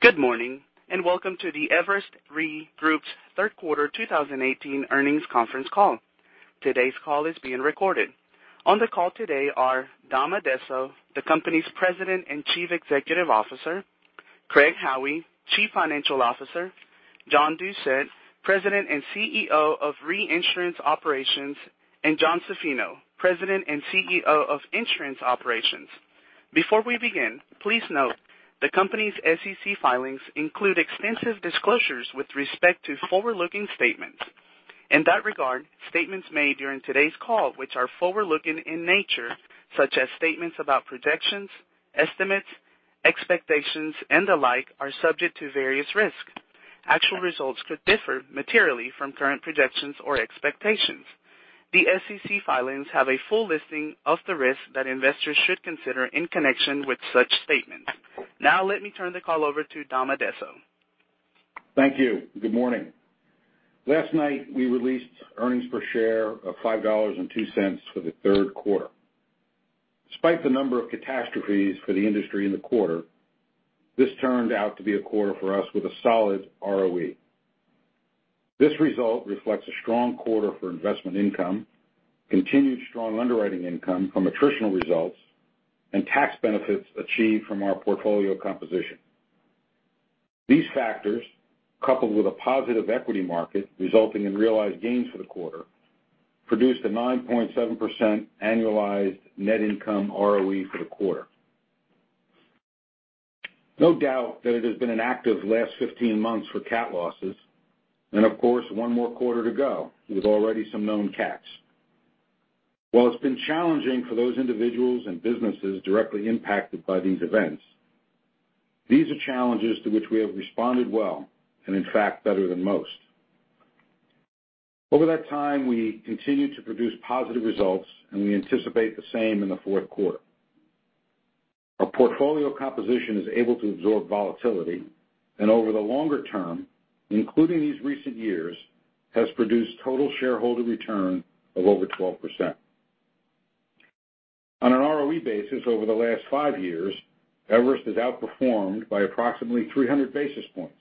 Good morning, welcome to the Everest Re Group's third quarter 2018 earnings conference call. Today's call is being recorded. On the call today are Dom Addesso, the company's President and Chief Executive Officer, Craig Howie, Chief Financial Officer, John Doucette, President and CEO of Reinsurance Operations, and John Zaffino, President and CEO of Insurance Operations. Before we begin, please note the company's SEC filings include extensive disclosures with respect to forward-looking statements. In that regard, statements made during today's call which are forward-looking in nature, such as statements about projections, estimates, expectations, and the like, are subject to various risks. Actual results could differ materially from current projections or expectations. The SEC filings have a full listing of the risks that investors should consider in connection with such statements. Let me turn the call over to Dom Addesso. Thank you. Good morning. Last night, we released earnings per share of $5.02 for the third quarter. Despite the number of catastrophes for the industry in the quarter, this turned out to be a quarter for us with a solid ROE. This result reflects a strong quarter for investment income, continued strong underwriting income from attritional results, and tax benefits achieved from our portfolio composition. These factors, coupled with a positive equity market resulting in realized gains for the quarter, produced a 9.7% annualized net income ROE for the quarter. No doubt that it has been an active last 15 months for cat losses, and of course, one more quarter to go, with already some known cats. While it's been challenging for those individuals and businesses directly impacted by these events, these are challenges to which we have responded well, and in fact, better than most. Over that time, we continued to produce positive results, we anticipate the same in the fourth quarter. Our portfolio composition is able to absorb volatility, and over the longer term, including these recent years, has produced total shareholder return of over 12%. On an ROE basis over the last five years, Everest has outperformed by approximately 300 basis points,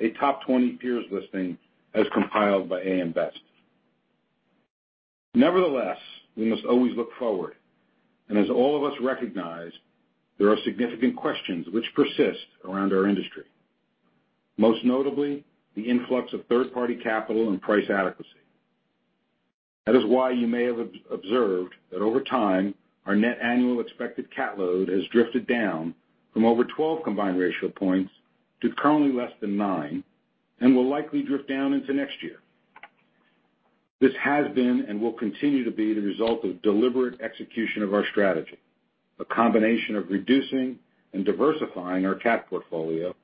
a top 20 peers listing as compiled by AM Best. We must always look forward, as all of us recognize, there are significant questions which persist around our industry, most notably the influx of third-party capital and price adequacy. You may have observed that over time, our net annual expected cat load has drifted down from over 12 combined ratio points to currently less than nine, and will likely drift down into next year. This has been and will continue to be the result of deliberate execution of our strategy, a combination of reducing and diversifying our cat portfolio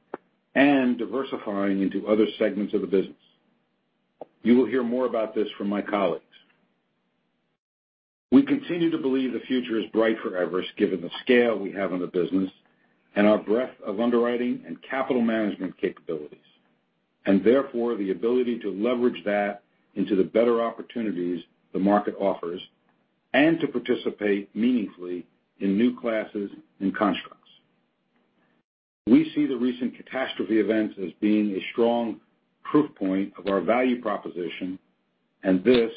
and diversifying into other segments of the business. You will hear more about this from my colleagues. We continue to believe the future is bright for Everest given the scale we have in the business and our breadth of underwriting and capital management capabilities, therefore, the ability to leverage that into the better opportunities the market offers and to participate meaningfully in new classes and constructs. We see the recent catastrophe events as being a strong proof point of our value proposition, this,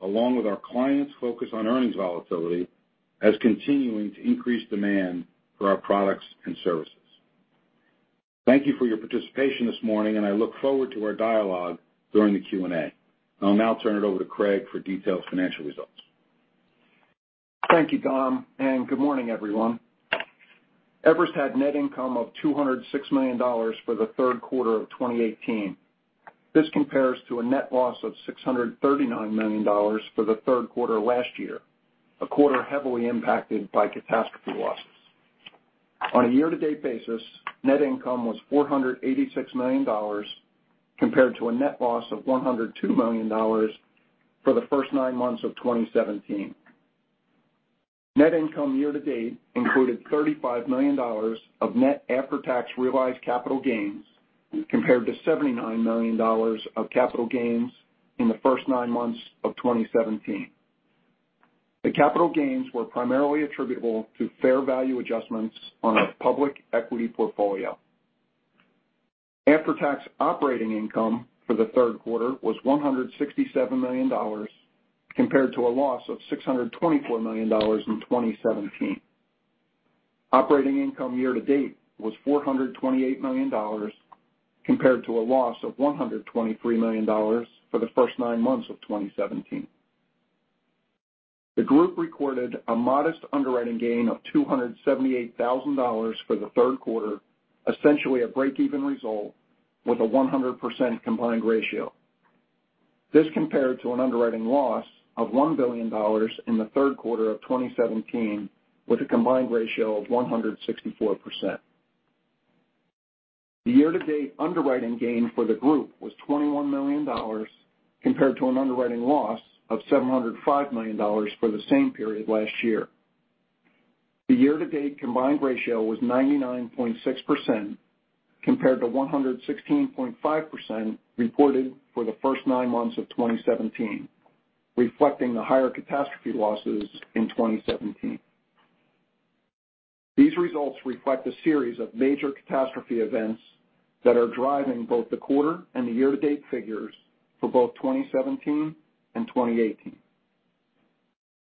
along with our clients' focus on earnings volatility, as continuing to increase demand for our products and services. Thank you for your participation this morning, I look forward to our dialogue during the Q&A. I'll now turn it over to Craig for detailed financial results. Thank you, Dom, and good morning, everyone. Everest had net income of $206 million for the third quarter of 2018. This compares to a net loss of $639 million for the third quarter last year, a quarter heavily impacted by catastrophe losses. On a year-to-date basis, net income was $486 million compared to a net loss of $102 million for the first nine months of 2017. Net income year-to-date included $35 million of net after-tax realized capital gains, compared to $79 million of capital gains in the first nine months of 2017. The capital gains were primarily attributable to fair value adjustments on our public equity portfolio. After-tax operating income for the third quarter was $167 million compared to a loss of $624 million in 2017. Operating income year-to-date was $428 million compared to a loss of $123 million for the first nine months of 2017. The group recorded a modest underwriting gain of $278,000 for the third quarter, essentially a break-even result with a 100% combined ratio. This compared to an underwriting loss of $1 billion in the third quarter of 2017 with a combined ratio of 164%. The year-to-date underwriting gain for the group was $21 million compared to an underwriting loss of $705 million for the same period last year. The year-to-date combined ratio was 99.6% compared to 116.5% reported for the first nine months of 2017. Reflecting the higher catastrophe losses in 2017. These results reflect a series of major catastrophe events that are driving both the quarter and the year-to-date figures for both 2017 and 2018.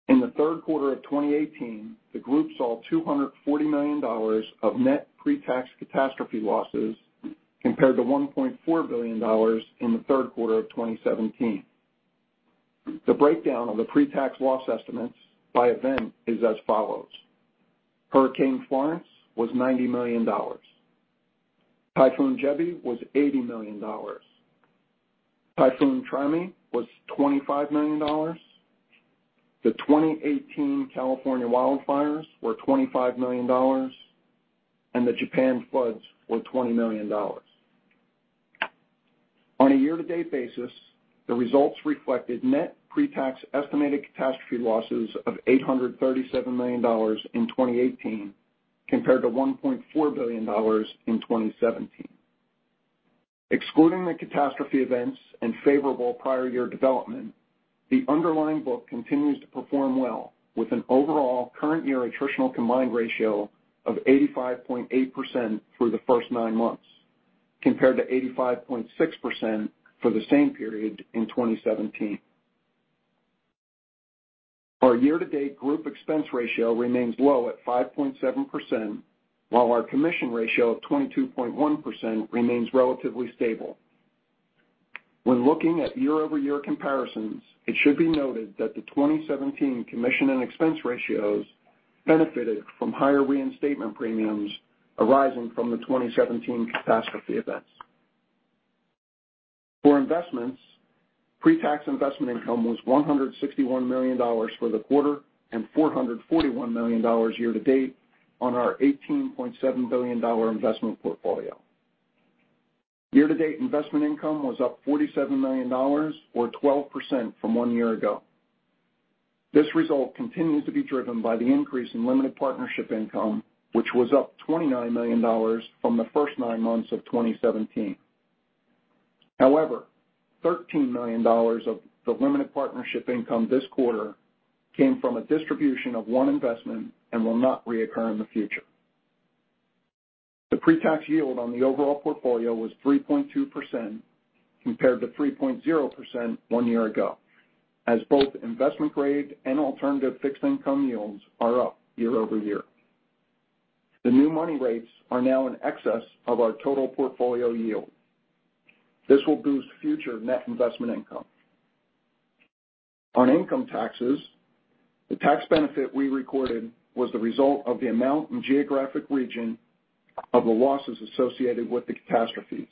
In the third quarter of 2018, the group saw $240 million of net pre-tax catastrophe losses, compared to $1.4 billion in the third quarter of 2017. The breakdown of the pre-tax loss estimates by event is as follows. Hurricane Florence was $90 million. Typhoon Jebi was $80 million. Typhoon Trami was $25 million. The 2018 California wildfires were $25 million, and the Japan floods were $20 million. On a year-to-date basis, the results reflected net pre-tax estimated catastrophe losses of $837 million in 2018, compared to $1.4 billion in 2017. Excluding the catastrophe events and favorable prior year development, the underlying book continues to perform well with an overall current year attritional combined ratio of 85.8% through the first nine months, compared to 85.6% for the same period in 2017. Our year-to-date group expense ratio remains low at 5.7%, while our commission ratio of 22.1% remains relatively stable. When looking at year-over-year comparisons, it should be noted that the 2017 commission and expense ratios benefited from higher reinstatement premiums arising from the 2017 catastrophe events. For investments, pre-tax investment income was $161 million for the quarter, and $441 million year to date on our $18.7 billion investment portfolio. Year-to-date investment income was up $47 million, or 12% from one year ago. This result continues to be driven by the increase in limited partnership income, which was up $29 million from the first nine months of 2017. However, $13 million of the limited partnership income this quarter came from a distribution of one investment and will not reoccur in the future. The pre-tax yield on the overall portfolio was 3.2%, compared to 3.0% one year ago, as both investment grade and alternative fixed income yields are up year-over-year. The new money rates are now in excess of our total portfolio yield. This will boost future net investment income. Income taxes, the tax benefit we recorded was the result of the amount and geographic region of the losses associated with the catastrophes.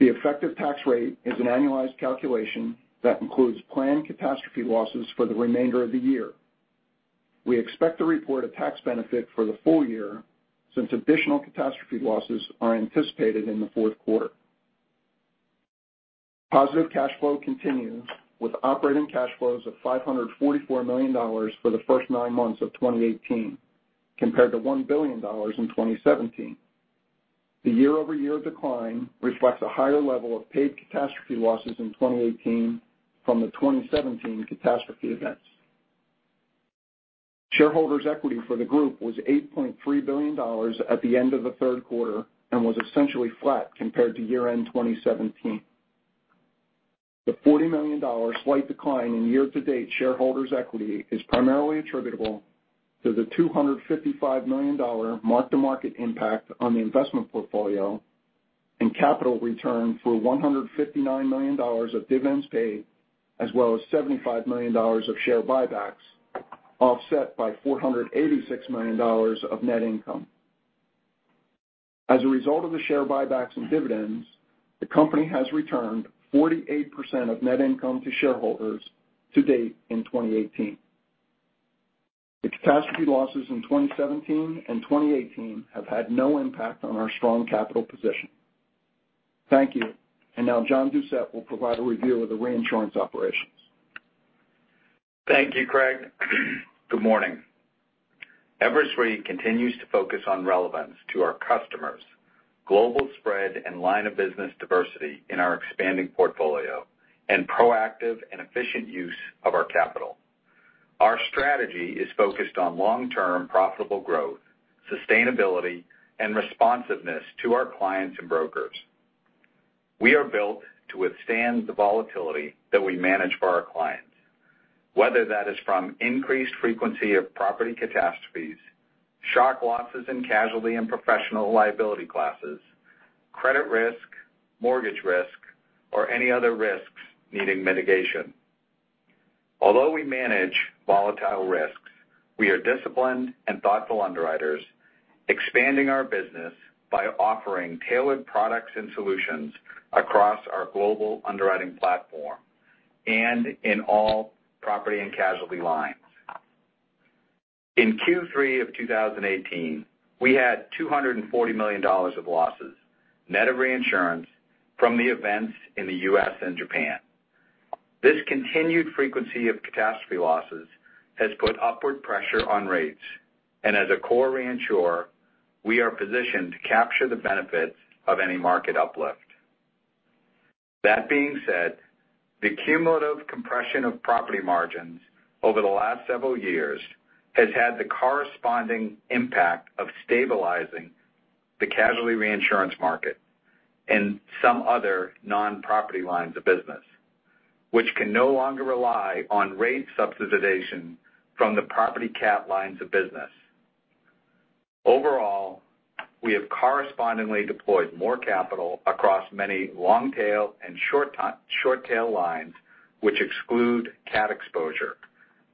The effective tax rate is an annualized calculation that includes planned catastrophe losses for the remainder of the year. We expect to report a tax benefit for the full year since additional catastrophe losses are anticipated in the fourth quarter. Positive cash flow continues with operating cash flows of $544 million for the first nine months of 2018, compared to $1 billion in 2017. The year-over-year decline reflects a higher level of paid catastrophe losses in 2018 from the 2017 catastrophe events. Shareholders' equity for the group was $8.3 billion at the end of the third quarter and was essentially flat compared to year-end 2017. The $40 million slight decline in year-to-date shareholders' equity is primarily attributable to the $255 million mark-to-market impact on the investment portfolio and capital return for $159 million of dividends paid, as well as $75 million of share buybacks, offset by $486 million of net income. As a result of the share buybacks and dividends, the company has returned 48% of net income to shareholders to date in 2018. The catastrophe losses in 2017 and 2018 have had no impact on our strong capital position. Thank you. Now John Doucette will provide a review of the reinsurance operations. Thank you, Craig. Good morning. Everest Re continues to focus on relevance to our customers, global spread and line of business diversity in our expanding portfolio and proactive and efficient use of our capital. Our strategy is focused on long-term profitable growth, sustainability, and responsiveness to our clients and brokers. We are built to withstand the volatility that we manage for our clients, whether that is from increased frequency of property catastrophes, shock losses in casualty and professional liability classes, credit risk, mortgage risk, or any other risks needing mitigation. Although we manage volatile risks, we are disciplined and thoughtful underwriters, expanding our business by offering tailored products and solutions across our global underwriting platform and in all property and casualty lines. In Q3 of 2018, we had $240 million of losses net of reinsurance from the events in the U.S. and Japan. This continued frequency of catastrophe losses has put upward pressure on rates. As a core reinsurer, we are positioned to capture the benefits of any market uplift. That being said, the cumulative compression of property margins over the last several years has had the corresponding impact of stabilizing the casualty reinsurance market and some other non-property lines of business, which can no longer rely on rate subsidization from the property cat lines of business. Overall, we have correspondingly deployed more capital across many long-tail and short-tail lines, which exclude cat exposure,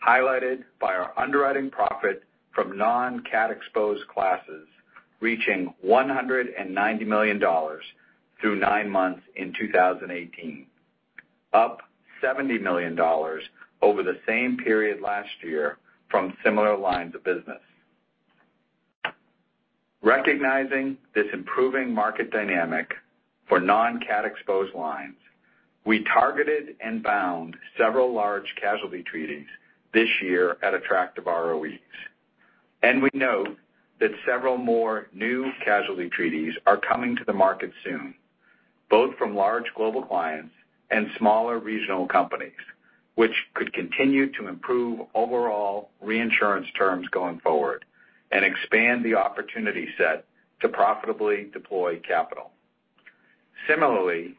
highlighted by our underwriting profit from non-cat exposed classes reaching $190 million through nine months in 2018, up $70 million over the same period last year from similar lines of business. Recognizing this improving market dynamic for non-cat exposed lines, we targeted and bound several large casualty treaties this year at attractive ROEs. We note that several more new casualty treaties are coming to the market soon, both from large global clients and smaller regional companies, which could continue to improve overall reinsurance terms going forward and expand the opportunity set to profitably deploy capital. Similarly,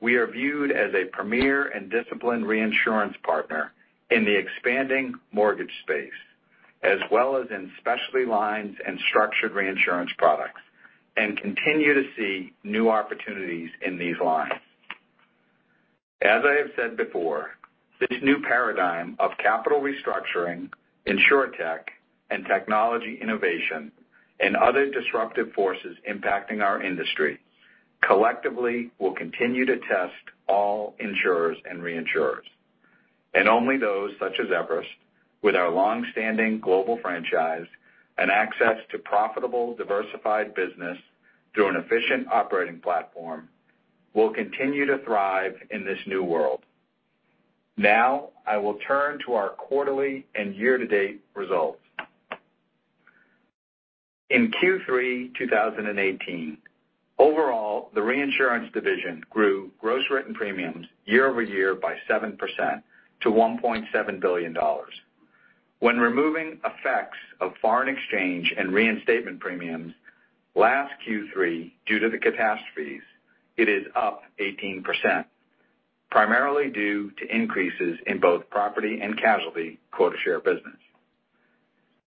we are viewed as a premier and disciplined reinsurance partner in the expanding mortgage space, as well as in specialty lines and structured reinsurance products, and continue to see new opportunities in these lines. As I have said before, this new paradigm of capital restructuring, insurtech and technology innovation, and other disruptive forces impacting our industry collectively will continue to test all insurers and reinsurers. Only those, such as Everest, with our longstanding global franchise and access to profitable, diversified business through an efficient operating platform will continue to thrive in this new world. Now, I will turn to our quarterly and year-to-date results. In Q3 2018, overall, the reinsurance division grew gross written premiums year-over-year by 7% to $1.7 billion. When removing effects of foreign exchange and reinstatement premiums, last Q3, due to the catastrophes, it is up 18%, primarily due to increases in both property and casualty quota share business.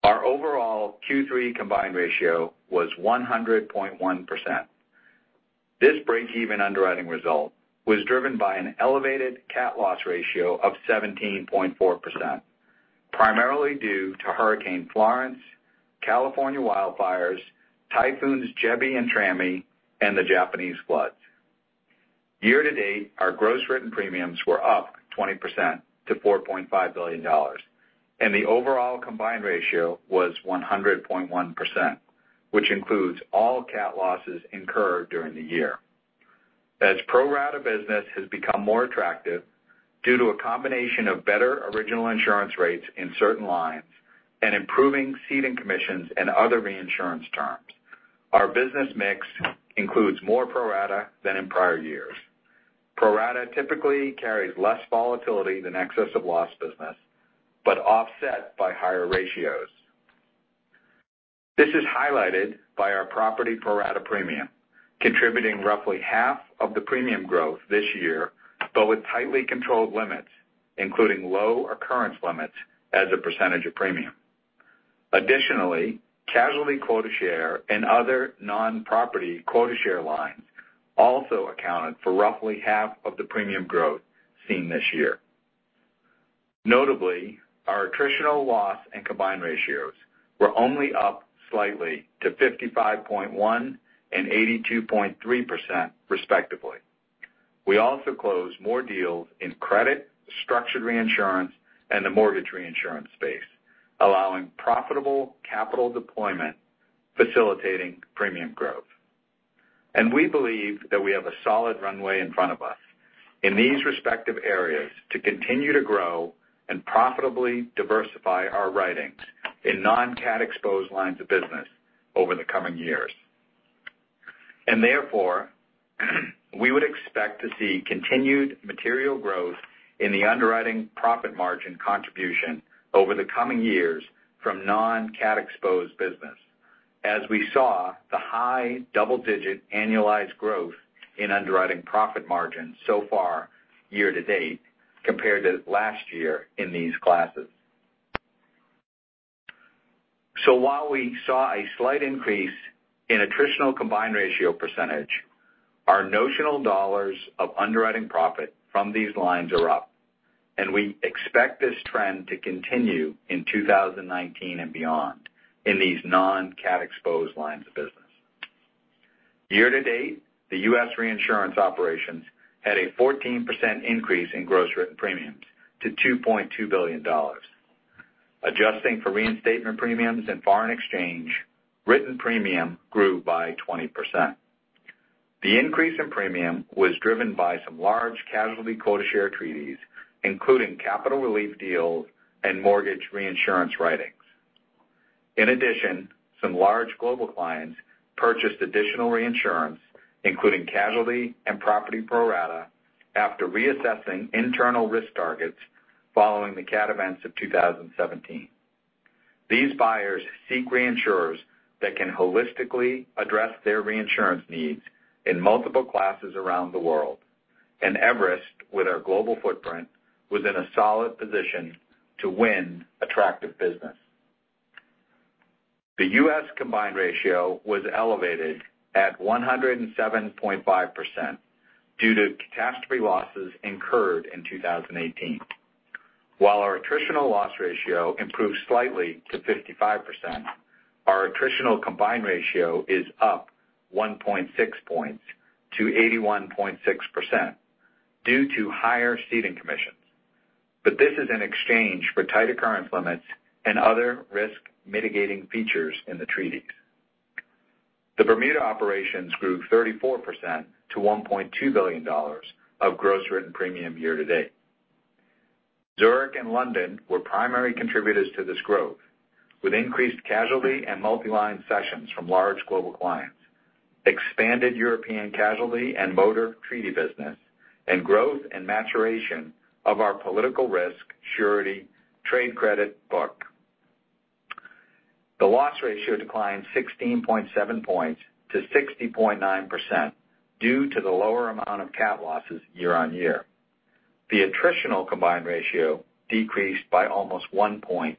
Our overall Q3 combined ratio was 100.1%. This breakeven underwriting result was driven by an elevated cat loss ratio of 17.4%, primarily due to Hurricane Florence, California wildfires, Typhoons Jebi and Trami, and the Japanese floods. Year to date, our gross written premiums were up 20% to $4.5 billion, and the overall combined ratio was 100.1%, which includes all cat losses incurred during the year. As pro-rata business has become more attractive due to a combination of better original insurance rates in certain lines and improving ceding commissions and other reinsurance terms, our business mix includes more pro-rata than in prior years. Pro-rata typically carries less volatility than excess of loss business, offset by higher ratios. This is highlighted by our property pro-rata premium, contributing roughly half of the premium growth this year, but with tightly controlled limits, including low occurrence limits as a percentage of premium. Additionally, casualty quota share and other non-property quota share lines also accounted for roughly half of the premium growth seen this year. Notably, our attritional loss and combined ratios were only up slightly to 55.1% and 82.3%, respectively. We also closed more deals in credit, structured reinsurance, and the mortgage reinsurance space, allowing profitable capital deployment, facilitating premium growth. We believe that we have a solid runway in front of us in these respective areas to continue to grow and profitably diversify our writings in non-cat exposed lines of business over the coming years. Therefore, we would expect to see continued material growth in the underwriting profit margin contribution over the coming years from non-cat exposed business, as we saw the high double-digit annualized growth in underwriting profit margins so far year-to-date compared to last year in these classes. While we saw a slight increase in attritional combined ratio percentage, our notional dollars of underwriting profit from these lines are up, and we expect this trend to continue in 2019 and beyond in these non-cat exposed lines of business. Year-to-date, the U.S. reinsurance operations had a 14% increase in gross written premiums to $2.2 billion. Adjusting for reinstatement premiums and foreign exchange, written premium grew by 20%. The increase in premium was driven by some large casualty quota share treaties, including capital relief deals and mortgage reinsurance writings. In addition, some large global clients purchased additional reinsurance, including casualty and property pro rata, after reassessing internal risk targets following the cat events of 2017. These buyers seek reinsurers that can holistically address their reinsurance needs in multiple classes around the world. Everest, with our global footprint, was in a solid position to win attractive business. The U.S. combined ratio was elevated at 107.5% due to catastrophe losses incurred in 2018. While our attritional loss ratio improved slightly to 55%, our attritional combined ratio is up 1.6 points to 81.6% due to higher ceding commissions. This is in exchange for tighter current limits and other risk mitigating features in the treaties. The Bermuda operations grew 34% to $1.2 billion of gross written premium year-to-date. Zurich and London were primary contributors to this growth, with increased casualty and multi-line sessions from large global clients, expanded European casualty and motor treaty business, and growth and maturation of our political risk surety trade credit book. The loss ratio declined 16.7 points to 60.9% due to the lower amount of cat losses year-on-year. The attritional combined ratio decreased by almost one point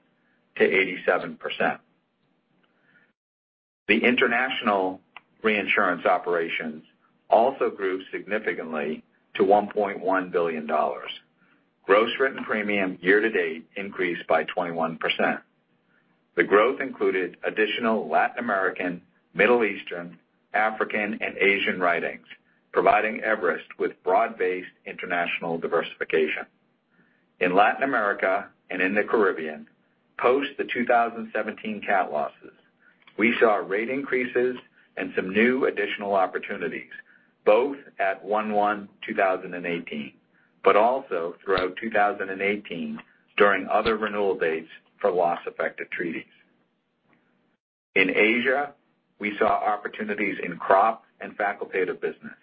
to 87%. The international reinsurance operations also grew significantly to $1.1 billion. Gross written premium year-to-date increased by 21%. The growth included additional Latin American, Middle Eastern, African, and Asian writings, providing Everest with broad-based international diversification. In Latin America and in the Caribbean, post the 2017 cat losses, we saw rate increases and some new additional opportunities, both at 1/1/2018, but also throughout 2018 during other renewal dates for loss effective treaties. In Asia, we saw opportunities in crop and facultative business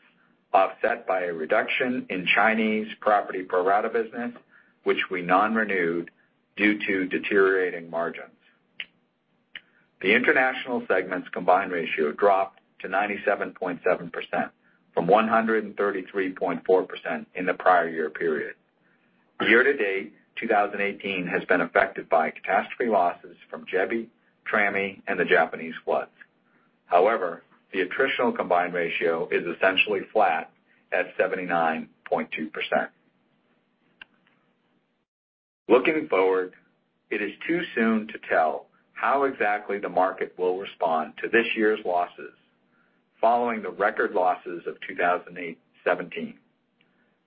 offset by a reduction in Chinese property pro rata business, which we non-renewed due to deteriorating margins. The international segment's combined ratio dropped to 97.7% from 133.4% in the prior-year period. Year-to-date 2018 has been affected by catastrophe losses from Jebi, Trami, and the Japanese floods. The attritional combined ratio is essentially flat at 79.2%. Looking forward, it is too soon to tell how exactly the market will respond to this year's losses following the record losses of 2017.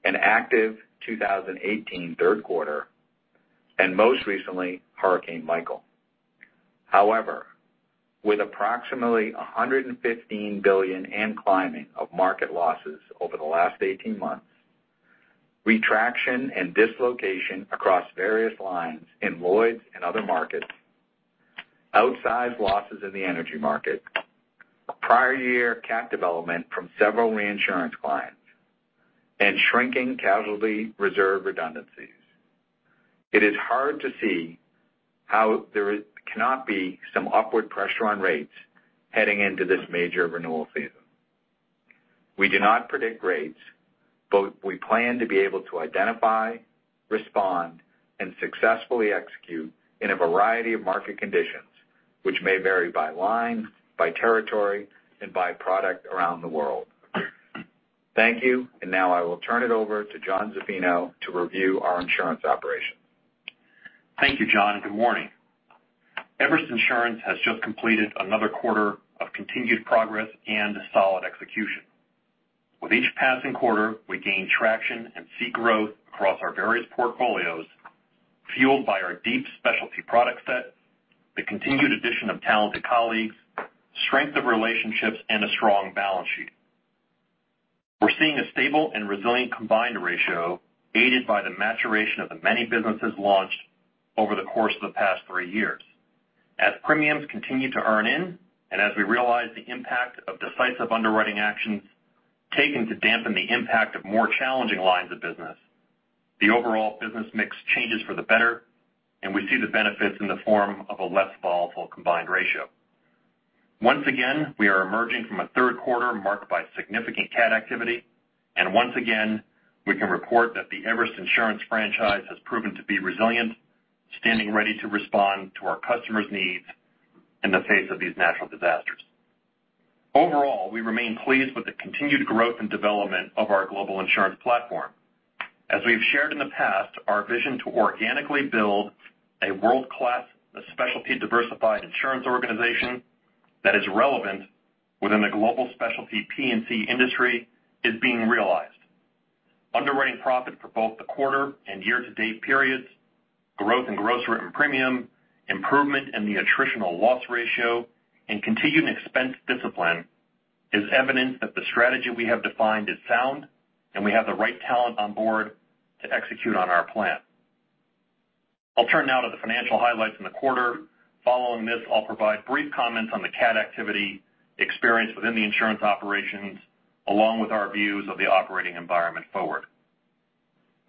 An active 2018 third quarter, and most recently, Hurricane Michael. With approximately $115 billion and climbing of market losses over the last 18 months, retraction and dislocation across various lines in Lloyd's and other markets, outsized losses in the energy market, prior-year cat development from several reinsurance clients, and shrinking casualty reserve redundancies. It is hard to see how there cannot be some upward pressure on rates heading into this major renewal season. We do not predict rates, but we plan to be able to identify, respond, and successfully execute in a variety of market conditions, which may vary by line, by territory, and by product around the world. Thank you. Now I will turn it over to John Zaffino to review our insurance operations. Thank you, John, good morning. Everest Insurance has just completed another quarter of continued progress and solid execution. With each passing quarter, we gain traction and see growth across our various portfolios, fueled by our deep specialty product set, the continued addition of talented colleagues, strength of relationships, a strong balance sheet. We're seeing a stable and resilient combined ratio aided by the maturation of the many businesses launched over the course of the past three years. As premiums continue to earn in, as we realize the impact of decisive underwriting actions taken to dampen the impact of more challenging lines of business, the overall business mix changes for the better, we see the benefits in the form of a less volatile combined ratio. Once again, we are emerging from a third quarter marked by significant cat activity, once again, we can report that the Everest Insurance franchise has proven to be resilient, standing ready to respond to our customers' needs in the face of these natural disasters. Overall, we remain pleased with the continued growth and development of our global insurance platform. As we've shared in the past, our vision to organically build a world-class, specialty diversified insurance organization that is relevant within the global specialty P&C industry is being realized. Underwriting profit for both the quarter year-to-date periods, growth in gross written premium, improvement in the attritional loss ratio, continuing expense discipline is evidence that the strategy we have defined is sound, we have the right talent on board to execute on our plan. I'll turn now to the financial highlights in the quarter. Following this, I'll provide brief comments on the cat activity experienced within the insurance operations, along with our views of the operating environment forward.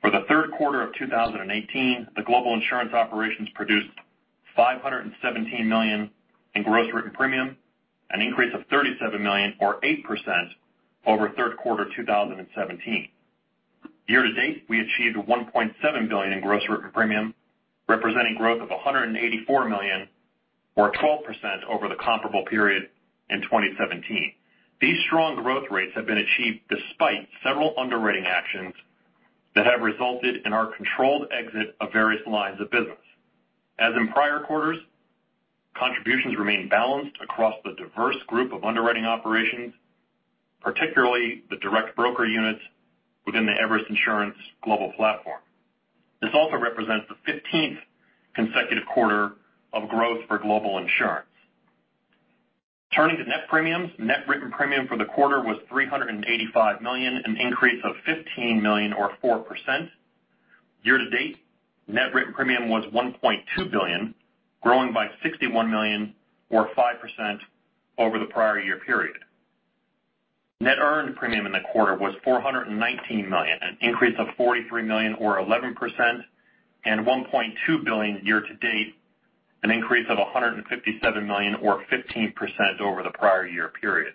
For the third quarter of 2018, the global insurance operations produced $517 million in gross written premium, an increase of $37 million or 8% over third quarter 2017. Year to date, we achieved a $1.7 billion in gross written premium, representing growth of $184 million, or 12% over the comparable period in 2017. These strong growth rates have been achieved despite several underwriting actions that have resulted in our controlled exit of various lines of business. As in prior quarters, contributions remain balanced across the diverse group of underwriting operations, particularly the direct broker units within the Everest Insurance global platform. This also represents the 15th consecutive quarter of growth for global insurance. Turning to net premiums. Net written premium for the quarter was $385 million, an increase of $15 million or 4%. Year-to-date, net written premium was $1.2 billion, growing by $61 million or 5% over the prior year period. Net earned premium in the quarter was $419 million, an increase of $43 million or 11%, and $1.2 billion year-to-date, an increase of $157 million or 15% over the prior year period.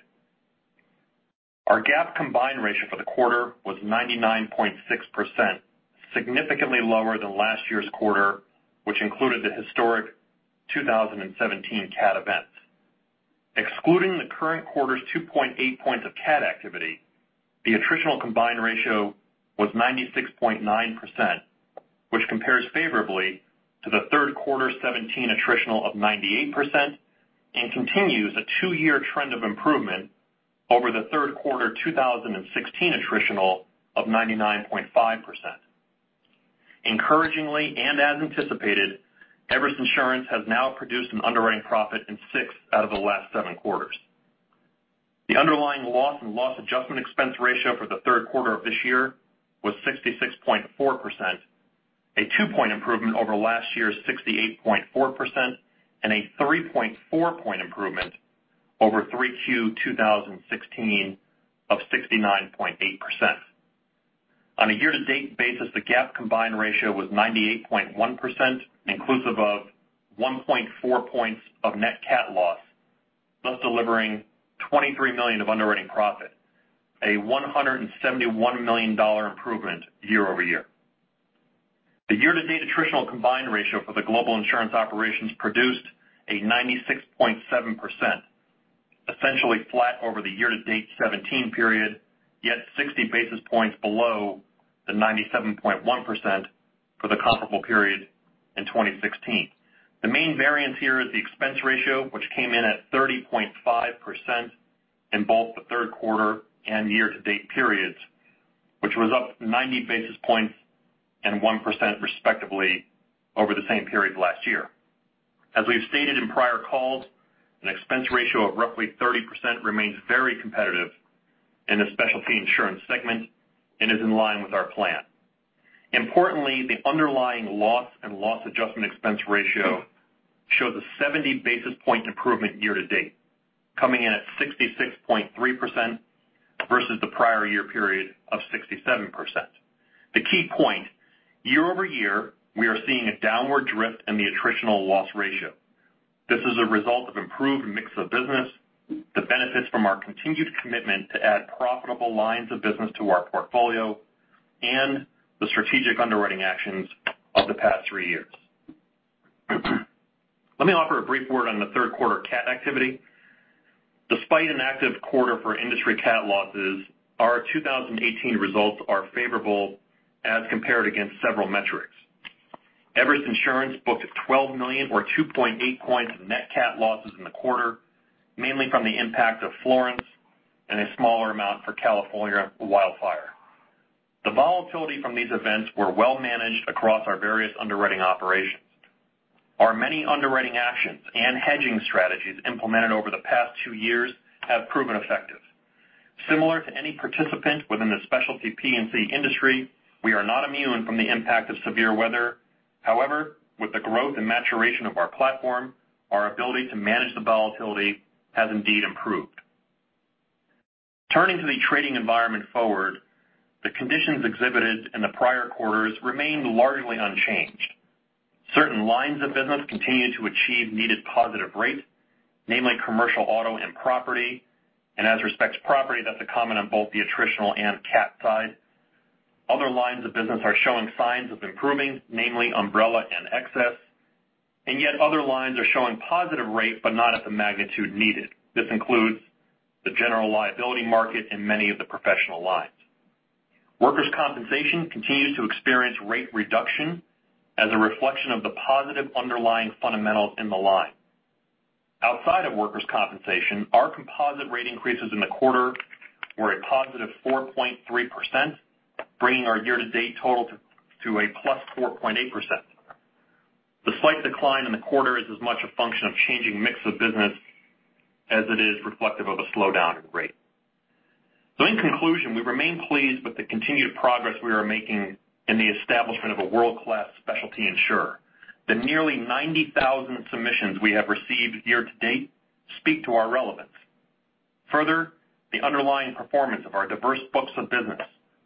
Our GAAP combined ratio for the quarter was 99.6%, significantly lower than last year's quarter, which included the historic 2017 cat events. Excluding the current quarter's 2.8 points of cat activity, the attritional combined ratio was 96.9%, which compares favorably to the third quarter 2017 attritional of 98% and continues a two-year trend of improvement over the third quarter 2016 attritional of 99.5%. As anticipated, Everest Insurance has now produced an underwriting profit in six out of the last seven quarters. The underlying loss and loss adjustment expense ratio for the third quarter of this year was 66.4%, a two-point improvement over last year's 68.4% and a 3.4-point improvement over 3Q 2016 of 69.8%. On a year-to-date basis, the GAAP combined ratio was 98.1%, inclusive of 1.4 points of net cat loss, thus delivering $23 million of underwriting profit, a $171 million improvement year-over-year. The year-to-date attritional combined ratio for the global insurance operations produced a 96.7%, essentially flat over the year-to-date 2017 period, yet 60 basis points below the 97.1% for the comparable period in 2016. The main variance here is the expense ratio, which came in at 30.5% in both the third quarter and year-to-date periods, which was up 90 basis points and 1% respectively over the same period last year. As we've stated in prior calls, an expense ratio of roughly 30% remains very competitive in the specialty insurance segment and is in line with our plan. Importantly, the underlying loss and loss adjustment expense ratio shows a 70 basis point improvement year-to-date, coming in at 66.3% versus the prior year period of 67%. The key point, year-over-year, we are seeing a downward drift in the attritional loss ratio. This is a result of improved mix of business, the benefits from our continued commitment to add profitable lines of business to our portfolio, and the strategic underwriting actions of the past three years. Let me offer a brief word on the third quarter cat activity. Despite an active quarter for industry cat losses, our 2018 results are favorable as compared against several metrics. Everest Insurance booked $12 million or 2.8 points of net cat losses in the quarter, mainly from the impact of Hurricane Florence and a smaller amount for California wildfire. The volatility from these events were well managed across our various underwriting operations. Our many underwriting actions and hedging strategies implemented over the past two years have proven effective. Similar to any participant within the specialty P&C industry, we are not immune from the impact of severe weather. With the growth and maturation of our platform, our ability to manage the volatility has indeed improved. Turning to the trading environment forward, the conditions exhibited in the prior quarters remained largely unchanged. Certain lines of business continued to achieve needed positive rates, namely commercial auto and property, and as respects property, that's a comment on both the attritional and cat side. Other lines of business are showing signs of improving, namely umbrella and excess. Yet other lines are showing positive rate, but not at the magnitude needed. This includes the general liability market and many of the professional lines. Workers' compensation continues to experience rate reduction as a reflection of the positive underlying fundamentals in the line. Outside of workers' compensation, our composite rate increases in the quarter were a positive 4.3%, bringing our year-to-date total to a plus 4.8%. The slight decline in the quarter is as much a function of changing mix of business as it is reflective of a slowdown in rate. In conclusion, we remain pleased with the continued progress we are making in the establishment of a world-class specialty insurer. The nearly 90,000 submissions we have received year to date speak to our relevance. Further, the underlying performance of our diverse books of business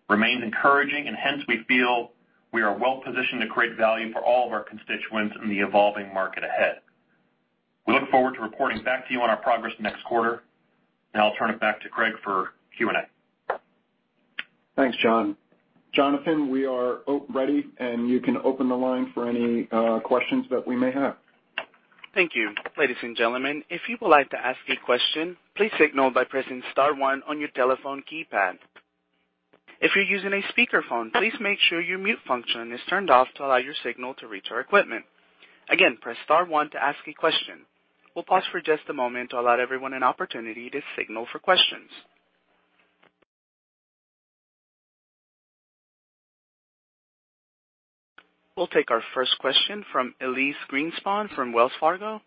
remains encouraging, and hence we feel we are well-positioned to create value for all of our constituents in the evolving market ahead. We look forward to reporting back to you on our progress next quarter, I'll turn it back to Craig for Q&A. Thanks, John. Jonathan, we are ready, you can open the line for any questions that we may have. Thank you. Ladies and gentlemen, if you would like to ask a question, please signal by pressing star one on your telephone keypad. If you're using a speakerphone, please make sure your mute function is turned off to allow your signal to reach our equipment. Again, press star one to ask a question. We'll pause for just a moment to allow everyone an opportunity to signal for questions. We'll take our first question from Elyse Greenspan from Wells Fargo.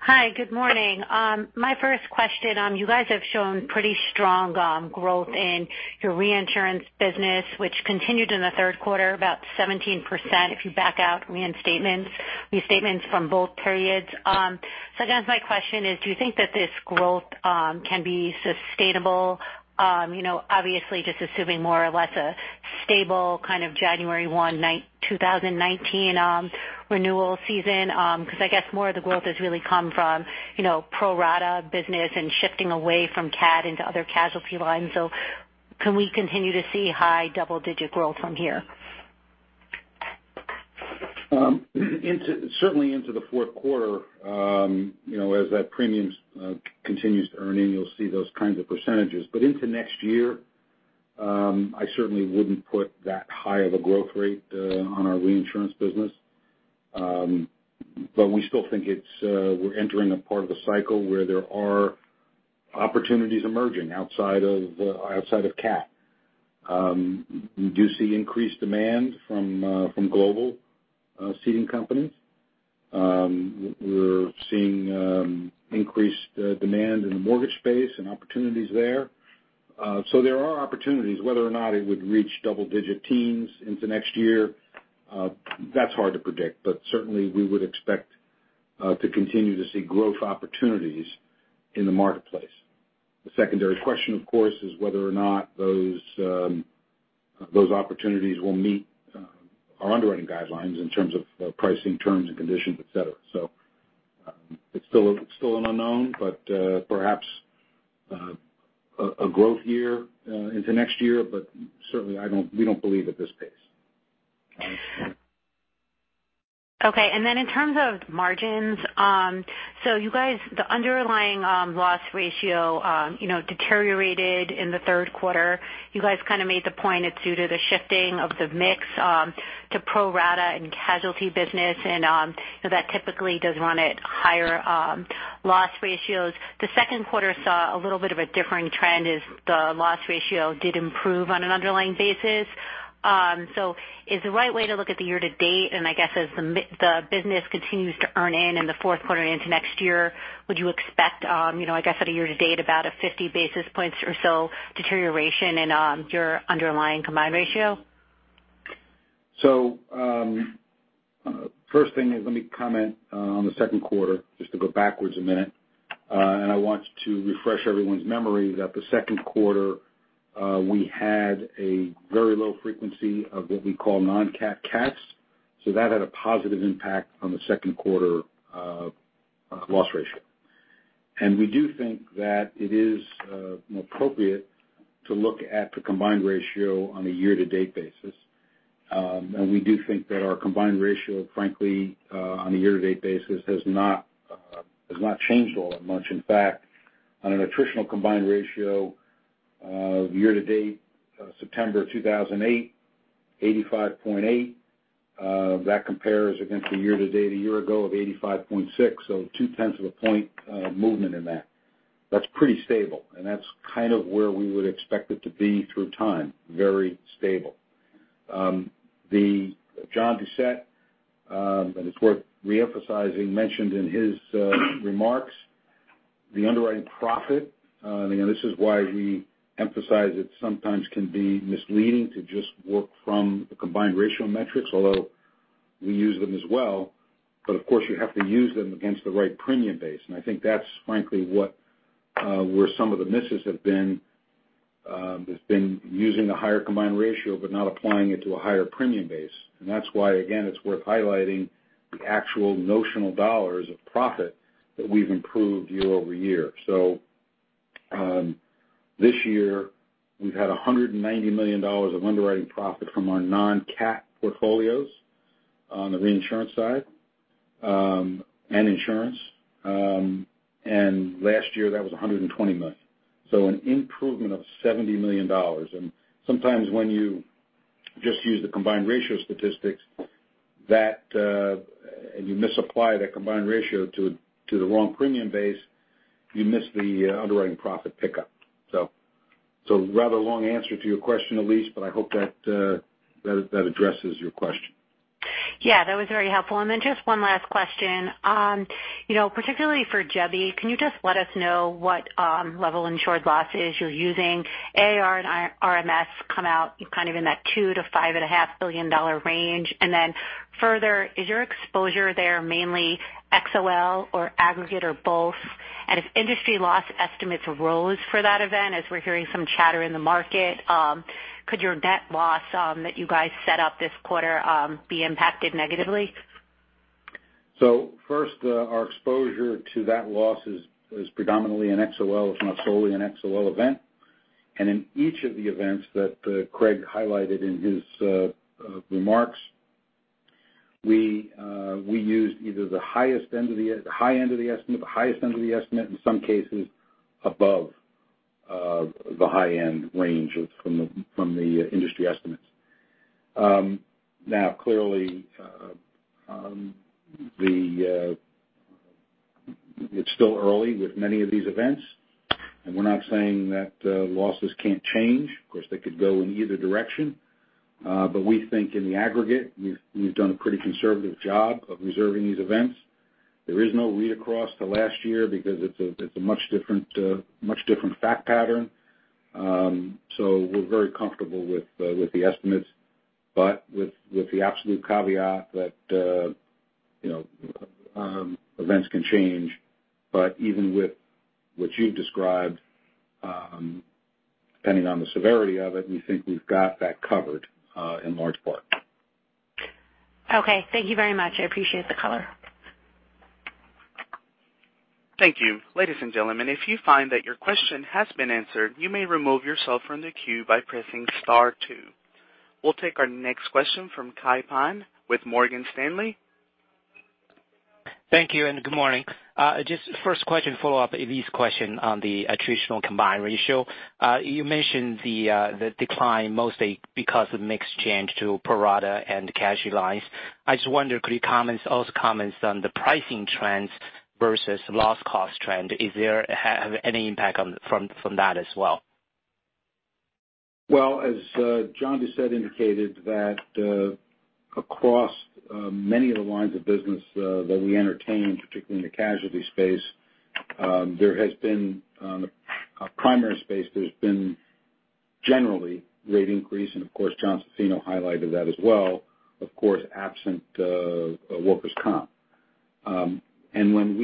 Hi, good morning. My first question, you guys have shown pretty strong growth in your reinsurance business, which continued in Q3 2018, about 17%, if you back out reinstatements from both periods. I guess my question is, do you think that this growth can be sustainable? Obviously, just assuming more or less a stable kind of January 01, 2019 renewal season, because I guess more of the growth has really come from pro-rata business and shifting away from CAT into other casualty lines. Can we continue to see high double-digit growth from here? Certainly into the fourth quarter, as that premium continues to earn in, you'll see those kinds of percentages. Into next year, I certainly wouldn't put that high of a growth rate on our reinsurance business. We still think we're entering a part of the cycle where there are opportunities emerging outside of CAT. We do see increased demand from global ceding companies. We're seeing increased demand in the mortgage space and opportunities there. There are opportunities. Whether or not it would reach double-digit teens into next year, that's hard to predict. Certainly we would expect to continue to see growth opportunities in the marketplace. The secondary question, of course, is whether or not those opportunities will meet our underwriting guidelines in terms of pricing, terms and conditions, et cetera. It's still an unknown, but perhaps a growth year into next year, but certainly we don't believe at this pace. Okay. Then in terms of margins, you guys, the underlying loss ratio deteriorated in Q3 2018. You guys kind of made the point it's due to the shifting of the mix to pro-rata and casualty business, and that typically does run at higher loss ratios. The second quarter saw a little bit of a differing trend as the loss ratio did improve on an underlying basis. Is the right way to look at the year to date, and I guess as the business continues to earn in the fourth quarter and into next year, would you expect, I guess at a year to date, about a 50 basis points or so deterioration in your underlying combined ratio? First thing is let me comment on the second quarter, just to go backwards a minute. I want to refresh everyone's memory that the second quarter, we had a very low frequency of what we call non-CAT, CATs. That had a positive impact on the second quarter loss ratio. We do think that it is appropriate to look at the combined ratio on a year-to-date basis. We do think that our combined ratio, frankly, on a year-to-date basis has not changed all that much. In fact, on an attritional combined ratio year-to-date, September 2018, 85.8%. That compares against a year-to-date a year ago of 85.6%, so two-tenths of a point movement in that. That's pretty stable, and that's kind of where we would expect it to be through time, very stable. John Doucette, and it's worth reemphasizing, mentioned in his remarks the underwriting profit. Again, this is why we emphasize it sometimes can be misleading to just work from the combined ratio metrics, although we use them as well. Of course, you have to use them against the right premium base, and I think that's frankly where some of the misses have been, has been using a higher combined ratio but not applying it to a higher premium base. That's why, again, it's worth highlighting the actual notional dollars of profit that we've improved year-over-year. This year, we've had $190 million of underwriting profit from our non-CAT portfolios on the reinsurance side and insurance. Last year, that was $120 million. An improvement of $70 million. Sometimes when you just use the combined ratio statistics, and you misapply that combined ratio to the wrong premium base, you miss the underwriting profit pickup. Rather long answer to your question, Elyse, but I hope that addresses your question. Yeah, that was very helpful. Then just one last question. Particularly for Typhoon Jebi, can you just let us know what level insured losses you're using? AIR and RMS come out kind of in that $2 billion-$5.5 billion range. Then further, is your exposure there mainly XOL or aggregate or both? If industry loss estimates rose for that event, as we're hearing some chatter in the market, could your net loss that you guys set up this quarter be impacted negatively? First, our exposure to that loss is predominantly in XOL. It's not solely an XOL event. In each of the events that Craig highlighted in his remarks, we used either the high end of the estimate or the highest end of the estimate, in some cases above the high-end range from the industry estimates. Clearly it's still early with many of these events, and we're not saying that losses can't change. Of course, they could go in either direction. We think in the aggregate, we've done a pretty conservative job of reserving these events. There is no read across to last year because it's a much different fact pattern. We're very comfortable with the estimates, but with the absolute caveat that events can change. Even with what you've described, depending on the severity of it, we think we've got that covered in large part. Thank you very much. I appreciate the color. Thank you. Ladies and gentlemen, if you find that your question has been answered, you may remove yourself from the queue by pressing star 2. We'll take our next question from Kai Pan with Morgan Stanley. Thank you. Good morning. First question, follow-up Elyse question on the attritional combined ratio. You mentioned the decline mostly because of mix change to pro-rata and casualty lines. I wonder, could you also comment on the pricing trends versus loss cost trend? Is there any impact from that as well? Well, as John Doucette indicated that across many of the lines of business that we entertain, particularly in the casualty space, there has been a primary space. There's been generally rate increase and of course, Jonathan Zaffino highlighted that as well, of course, absent workers' comp. When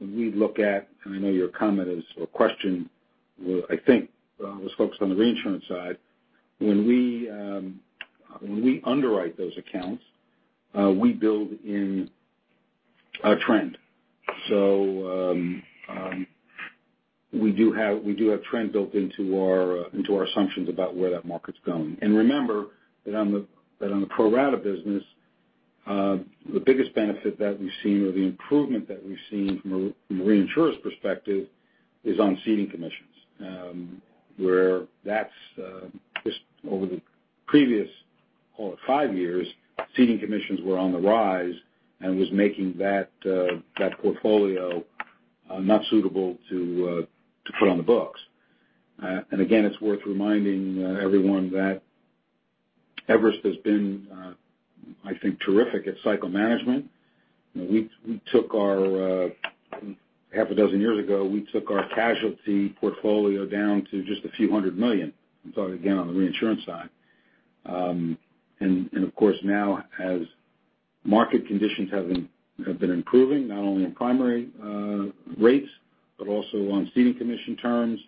we look at, and I know your comment is, or question, I think, was focused on the reinsurance side. When we underwrite those accounts, we build in a trend. We do have trends built into our assumptions about where that market's going. Remember that on the pro-rata business, the biggest benefit that we've seen or the improvement that we've seen from a reinsurer's perspective is on ceding commissions, where that's just over the previous call it 5 years, ceding commissions were on the rise and was making that portfolio not suitable to put on the books. Again, it's worth reminding everyone that Everest has been, I think, terrific at cycle management. Half a dozen years ago, we took our casualty portfolio down to just a few hundred million. I'm talking again on the reinsurance side. Of course, now as market conditions have been improving not only in primary rates but also on ceding commission terms,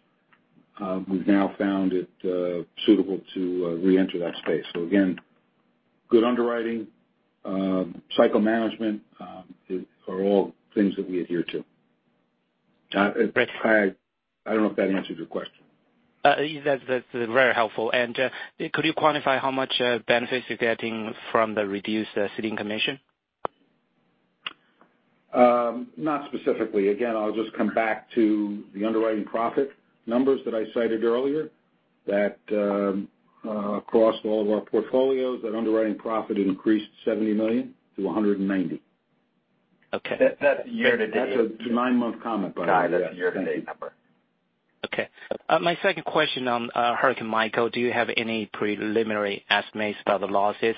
we've now found it suitable to reenter that space. Again, good underwriting, cycle management are all things that we adhere to. Right. I don't know if that answers your question. That's very helpful. Could you quantify how much benefits you're getting from the reduced ceding commission? Not specifically. Again, I'll just come back to the underwriting profit numbers that I cited earlier, that across all of our portfolios, that underwriting profit increased $70 million to $190 million. Okay. That's year to date. That's a nine-month comment by the way. Kai, that's a year to date number. Okay. My second question on Hurricane Michael, do you have any preliminary estimates about the losses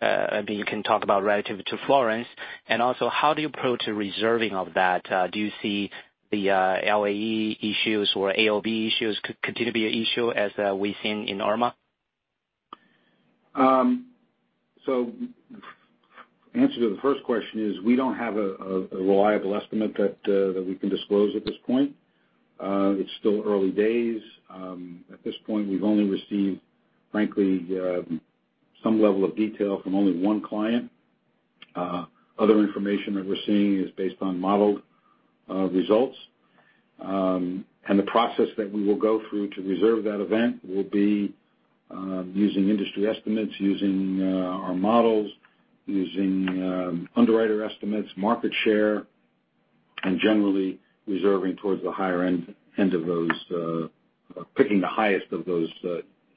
that you can talk about relative to Florence? Also, how do you approach the reserving of that? Do you see the LAE issues or AOB issues could continue to be an issue as we've seen in Irma? Answer to the first question is we don't have a reliable estimate that we can disclose at this point. It's still early days. At this point, we've only received, frankly, some level of detail from only one client. Other information that we're seeing is based on modeled results. The process that we will go through to reserve that event will be using industry estimates, using our models, using underwriter estimates, market share, and generally reserving towards the higher end of those, picking the highest of those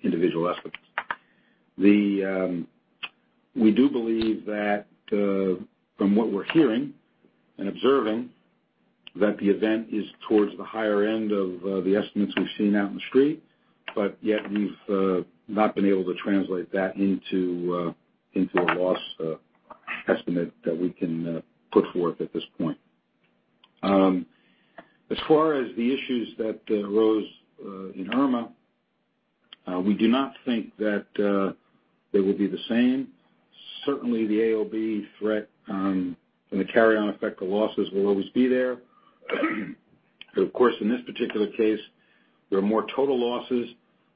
individual estimates. We do believe that from what we're hearing and observing, that the event is towards the higher end of the estimates we've seen out in the street. Yet we've not been able to translate that into a loss estimate that we can put forth at this point. As far as the issues that arose in Irma, we do not think that they will be the same. Certainly, the AOB threat and the carry-on effect of losses will always be there. Of course, in this particular case, there are more total losses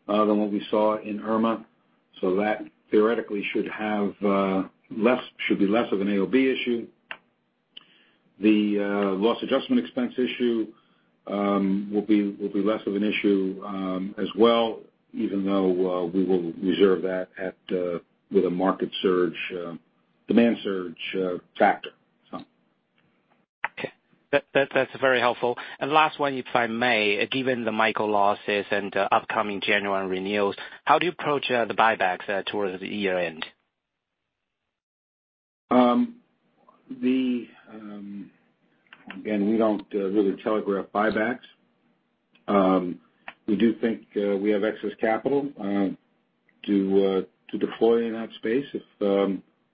than what we saw in Irma. That theoretically should be less of an AOB issue. The loss adjustment expense issue will be less of an issue as well, even though we will reserve that with a market surge, demand surge factor. Okay. That's very helpful. Last one, if I may, given the Michael losses and upcoming January renewals, how do you approach the buybacks towards the year-end? Again, we don't really telegraph buybacks. We do think we have excess capital to deploy in that space if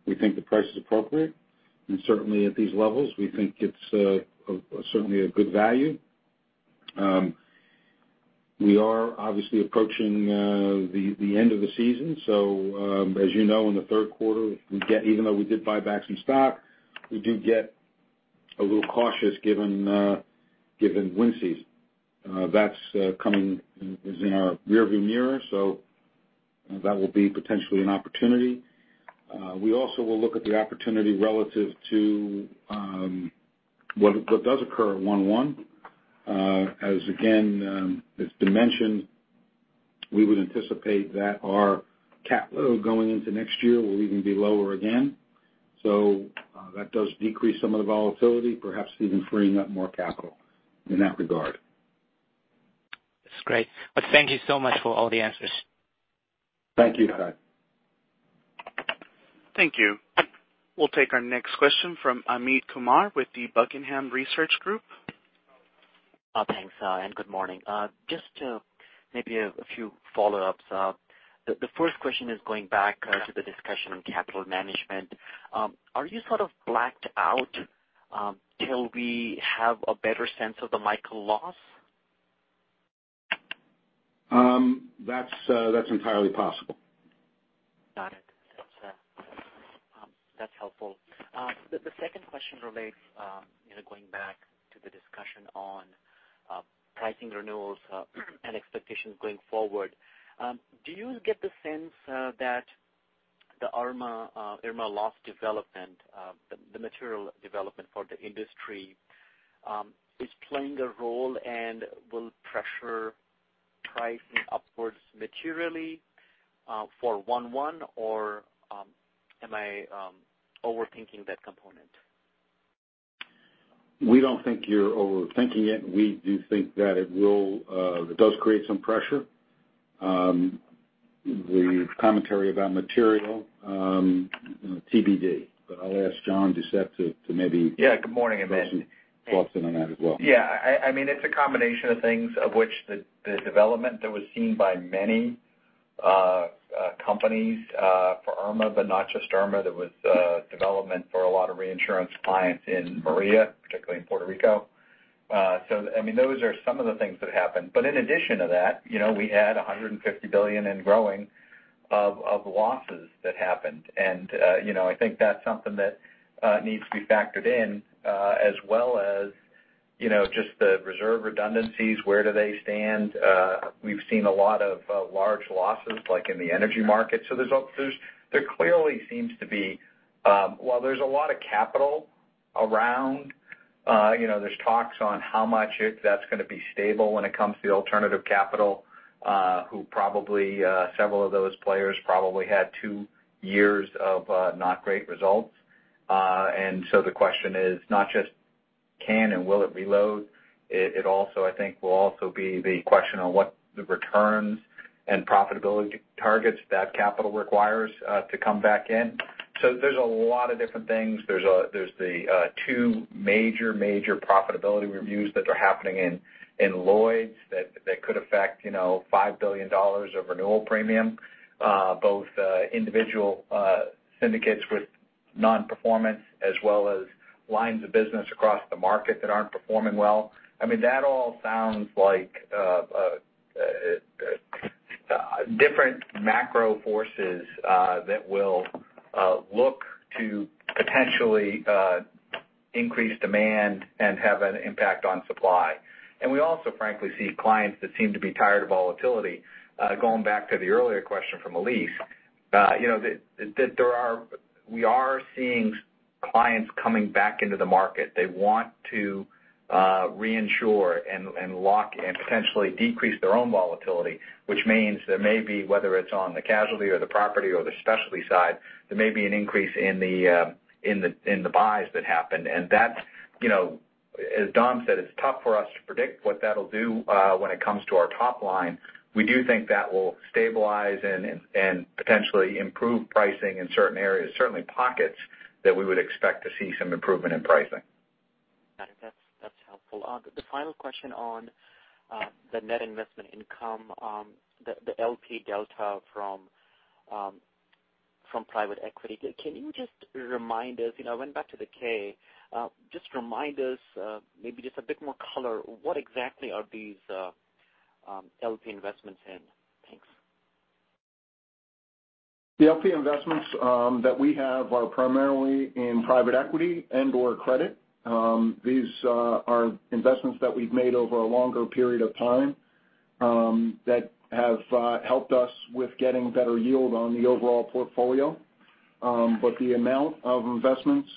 we think the price is appropriate. Certainly at these levels, we think it's certainly a good value. We are obviously approaching the end of the season. As you know, in the third quarter, even though we did buy back some stock, we do get a little cautious given wind season. That's coming in our rear view mirror, that will be potentially an opportunity. We also will look at the opportunity relative to what does occur at one-one. As again, it's been mentioned, we would anticipate that our cat load going into next year will even be lower again. That does decrease some of the volatility, perhaps even freeing up more capital in that regard. That's great. Thank you so much for all the answers. Thank you, Kai. Thank you. We'll take our next question from Amit Kumar with the Buckingham Research Group. Thanks, good morning. Just maybe a few follow-ups. The first question is going back to the discussion on capital management. Are you sort of blacked out till we have a better sense of the Michael loss? That's entirely possible. Got it. That's helpful. The second question relates going back to the discussion on pricing renewals and expectations going forward. Do you get the sense that the Irma loss development, the material development for the industry, is playing a role and will pressure pricing upwards materially for one-one, or am I overthinking that component? We don't think you're overthinking it. We do think that it does create some pressure. The commentary about material TBD, but I'll ask John Doucette to maybe- Yeah, good morning, Amit. talk to on that as well. Yeah. It's a combination of things of which the development that was seen by many companies for Hurricane Irma, but not just Hurricane Irma, there was development for a lot of reinsurance clients in Hurricane Maria, particularly in Puerto Rico. Those are some of the things that happened. In addition to that, we had $150 billion and growing of losses that happened. I think that's something that needs to be factored in as well as just the reserve redundancies, where do they stand? We've seen a lot of large losses like in the energy market. There clearly seems to be, while there's a lot of capital around, there's talks on how much that's going to be stable when it comes to the alternative capital, who probably several of those players probably had two years of not great results. The question is not just can and will it reload, it also I think will also be the question on what the returns and profitability targets that capital requires to come back in. There's a lot of different things. There's the two major profitability reviews that are happening in Lloyd's that could affect $5 billion of renewal premium, both individual syndicates with non-performance as well as lines of business across the market that aren't performing well. That all sounds like different macro forces that will look to potentially increase demand and have an impact on supply. We also frankly see clients that seem to be tired of volatility. Going back to the earlier question from Elyse, we are seeing Clients coming back into the market. They want to reinsure and lock and potentially decrease their own volatility, which means there may be, whether it's on the casualty or the property or the specialty side, there may be an increase in the buys that happen. As Dom said, it's tough for us to predict what that'll do when it comes to our top line. We do think that will stabilize and potentially improve pricing in certain areas, certainly pockets that we would expect to see some improvement in pricing. Got it. That's helpful. The final question on the net investment income, the LP delta from private equity. Can you just remind us, I went back to the K, just remind us, maybe just a bit more color, what exactly are these LP investments in? Thanks. The LP investments that we have are primarily in private equity and/or credit. These are investments that we've made over a longer period of time, that have helped us with getting better yield on the overall portfolio. The amount of investments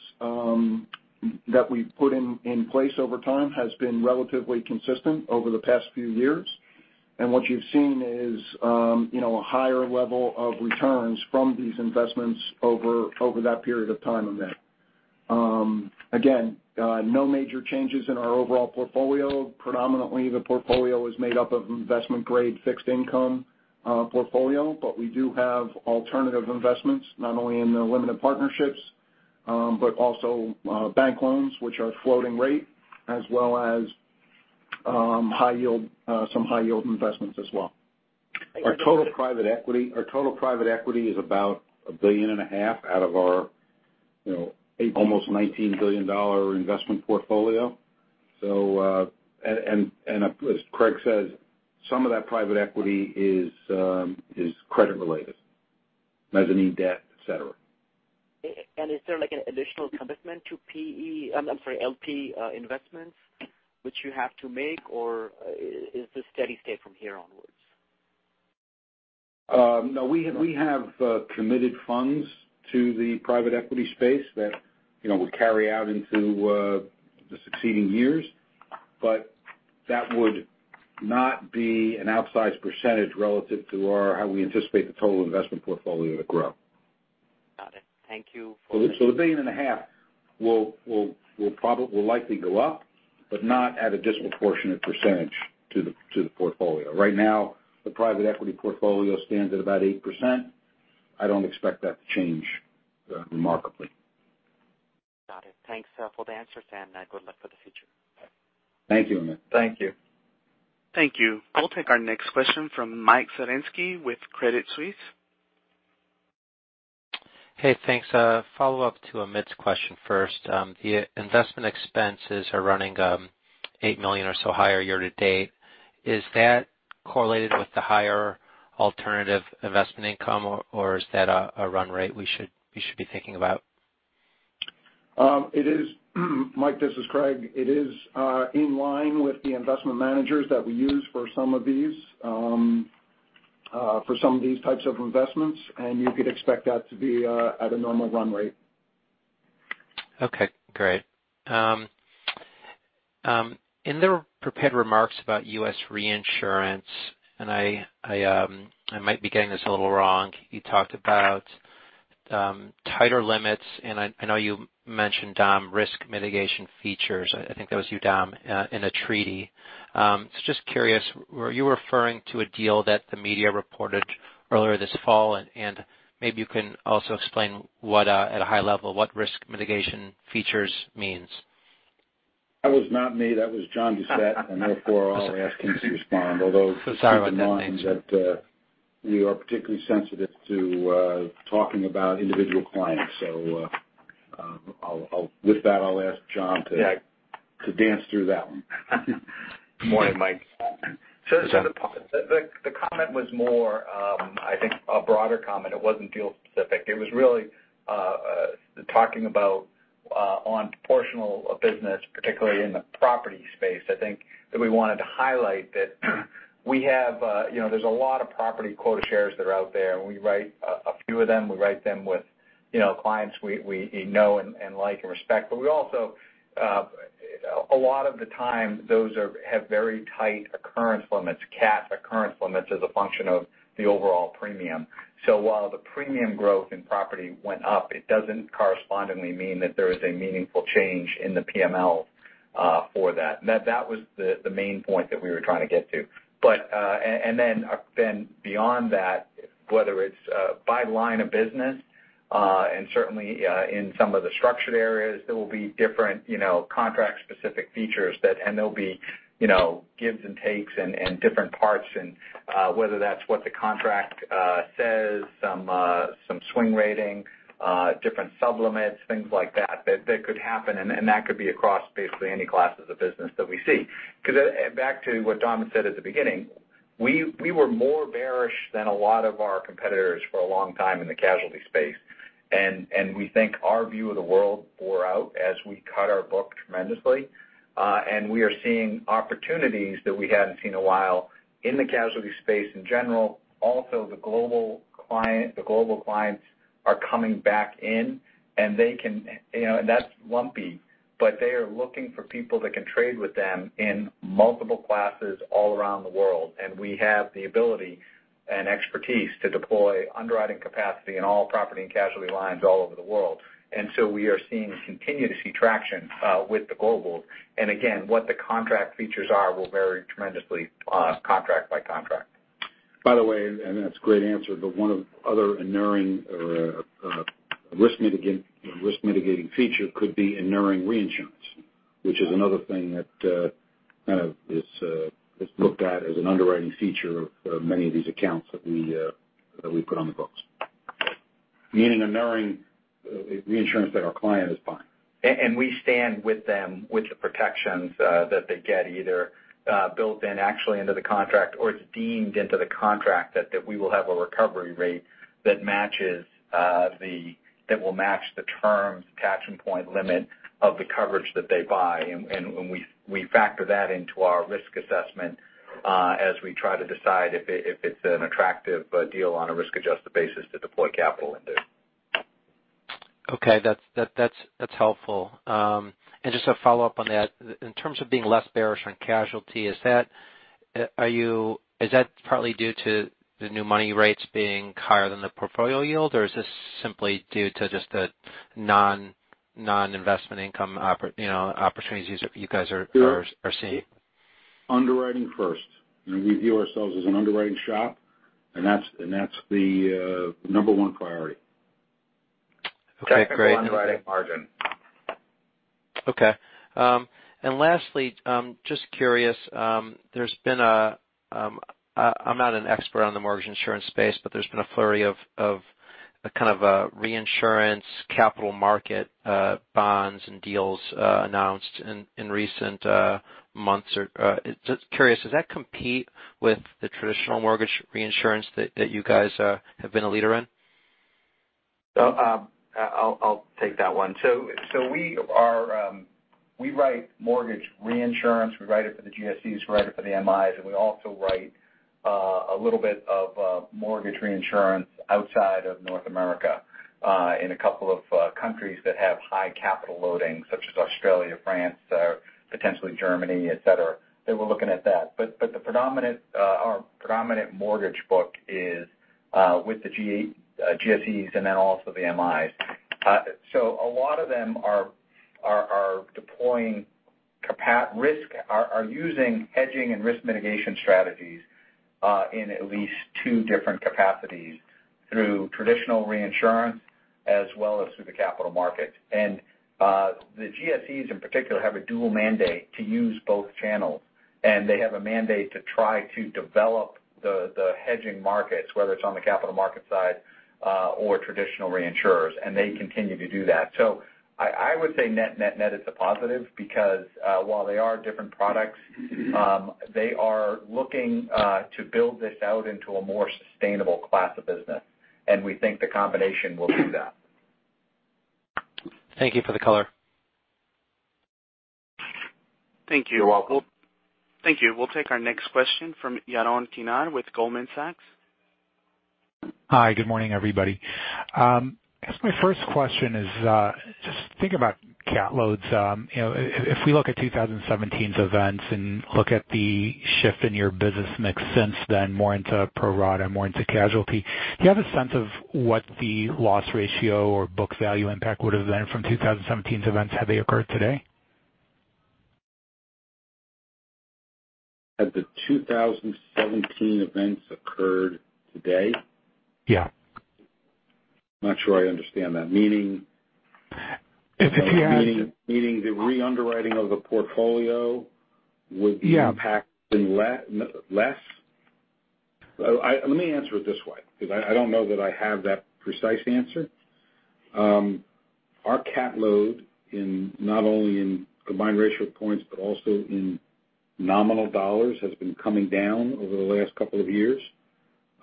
that we've put in place over time has been relatively consistent over the past few years. What you've seen is a higher level of returns from these investments over that period of time event. Again, no major changes in our overall portfolio. Predominantly, the portfolio is made up of investment-grade fixed income portfolio, but we do have alternative investments, not only in the limited partnerships, but also bank loans, which are floating rate, as well as some high-yield investments as well. Our total private equity is about $1.5 billion out of our almost $19 billion investment portfolio. As Craig says, some of that private equity is credit related, mezzanine debt, et cetera. Is there like an additional commitment to PE, I'm sorry, LP investments which you have to make, or is this steady state from here onwards? No, we have committed funds to the private equity space that will carry out into the succeeding years, but that would not be an outsized percentage relative to how we anticipate the total investment portfolio to grow. Got it. Thank you. The billion and a half will likely go up, but not at a disproportionate percentage to the portfolio. Right now, the private equity portfolio stands at about 8%. I don't expect that to change remarkably. Got it. Thanks for the answer, Dominic, and good luck for the future. Thank you, Amit. Thank you. Thank you. I'll take our next question from Michael Zaremski with Credit Suisse. Hey, thanks. A follow-up to Amit's question first. The investment expenses are running $8 million or so higher year to date. Is that correlated with the higher alternative investment income, or is that a run rate we should be thinking about? Mike, this is Craig. It is in line with the investment managers that we use for some of these types of investments, and you could expect that to be at a normal run rate. Okay, great. In the prepared remarks about U.S. reinsurance, I might be getting this a little wrong, you talked about tighter limits, and I know you mentioned, Dom, risk mitigation features. I think that was you, Dom, in a treaty. Just curious, were you referring to a deal that the media reported earlier this fall? Maybe you can also explain at a high level what risk mitigation features means. That was not me, that was John Doucette. Therefore I'll ask him to respond. Sorry about that. Keep in mind that we are particularly sensitive to talking about individual clients. With that, I'll ask John to dance through that one. Good morning, Mike. The comment was more, I think a broader comment. It wasn't deal specific. It was really talking about on proportional business, particularly in the property space, I think that we wanted to highlight that there's a lot of property quota shares that are out there, and we write a few of them. We write them with clients we know and like and respect. We also, a lot of the time, those have very tight occurrence limits, CAT occurrence limits as a function of the overall premium. While the premium growth in property went up, it doesn't correspondingly mean that there is a meaningful change in the PML for that. That was the main point that we were trying to get to. Beyond that, whether it's by line of business, and certainly in some of the structured areas, there will be different contract-specific features, and there'll be gives and takes and different parts, and whether that's what the contract says, some swing rating, different sub-limits, things like that could happen, and that could be across basically any classes of business that we see. Back to what Dom had said at the beginning, we were more bearish than a lot of our competitors for a long time in the casualty space, and we think our view of the world bore out as we cut our book tremendously. We are seeing opportunities that we hadn't seen a while in the casualty space in general. Also, the global clients are coming back in, and that's lumpy, but they are looking for people that can trade with them in multiple classes all around the world. We have the ability and expertise to deploy underwriting capacity in all property and casualty lines all over the world. We are seeing, continue to see traction with the global. Again, what the contract features are will vary tremendously contract by contract. By the way, that's a great answer, one of other inuring or risk mitigating feature could be inuring reinsurance, which is another thing that kind of is looked at as an underwriting feature of many of these accounts that we put on the books. Meaning, inuring reinsurance that our client is buying. We stand with them with the protections that they get either built in actually into the contract or it's deemed into the contract that we will have a recovery rate that will match the terms, attachment point limit of the coverage that they buy. We factor that into our risk assessment, as we try to decide if it's an attractive deal on a risk-adjusted basis to deploy capital into. Okay. That's helpful. Just to follow up on that, in terms of being less bearish on casualty, is that partly due to the new money rates being higher than the portfolio yield, or is this simply due to just the non-investment income opportunities you guys are seeing? Underwriting first. We view ourselves as an underwriting shop, and that's the number one priority. Okay, great. Technical underwriting margin. Okay. Lastly, just curious, I'm not an expert on the mortgage insurance space, but there's been a flurry of a kind of reinsurance capital market bonds and deals announced in recent months. Just curious, does that compete with the traditional mortgage reinsurance that you guys have been a leader in? I'll take that one. We write mortgage reinsurance. We write it for the GSEs, we write it for the MIs, and we also write a little bit of mortgage reinsurance outside of North America, in a couple of countries that have high capital loading, such as Australia, France, potentially Germany, et cetera, that we're looking at that. Our predominant mortgage book is with the GSEs and then also the MIs. A lot of them are deploying risk, are using hedging and risk mitigation strategies in at least two different capacities, through traditional reinsurance as well as through the capital markets. The GSEs in particular have a dual mandate to use both channels, and they have a mandate to try to develop the hedging markets, whether it's on the capital market side or traditional reinsurers, and they continue to do that. I would say net is a positive because while they are different products, they are looking to build this out into a more sustainable class of business, and we think the combination will do that. Thank you for the color. Thank you. You're welcome. Thank you. We'll take our next question from Yaron Kinar with Goldman Sachs. Hi, good morning, everybody. I guess my first question is just think about cat loads. If we look at 2017's events and look at the shift in your business mix since then, more into pro rata, more into casualty, do you have a sense of what the loss ratio or book value impact would've been from 2017's events had they occurred today? Had the 2017 events occurred today? Yeah. I'm not sure I understand that. If you had Meaning the re-underwriting of the portfolio would be- Yeah impacted less? Let me answer it this way, because I don't know that I have that precise answer. Our cat load, not only in combined ratio points but also in nominal dollars, has been coming down over the last couple of years.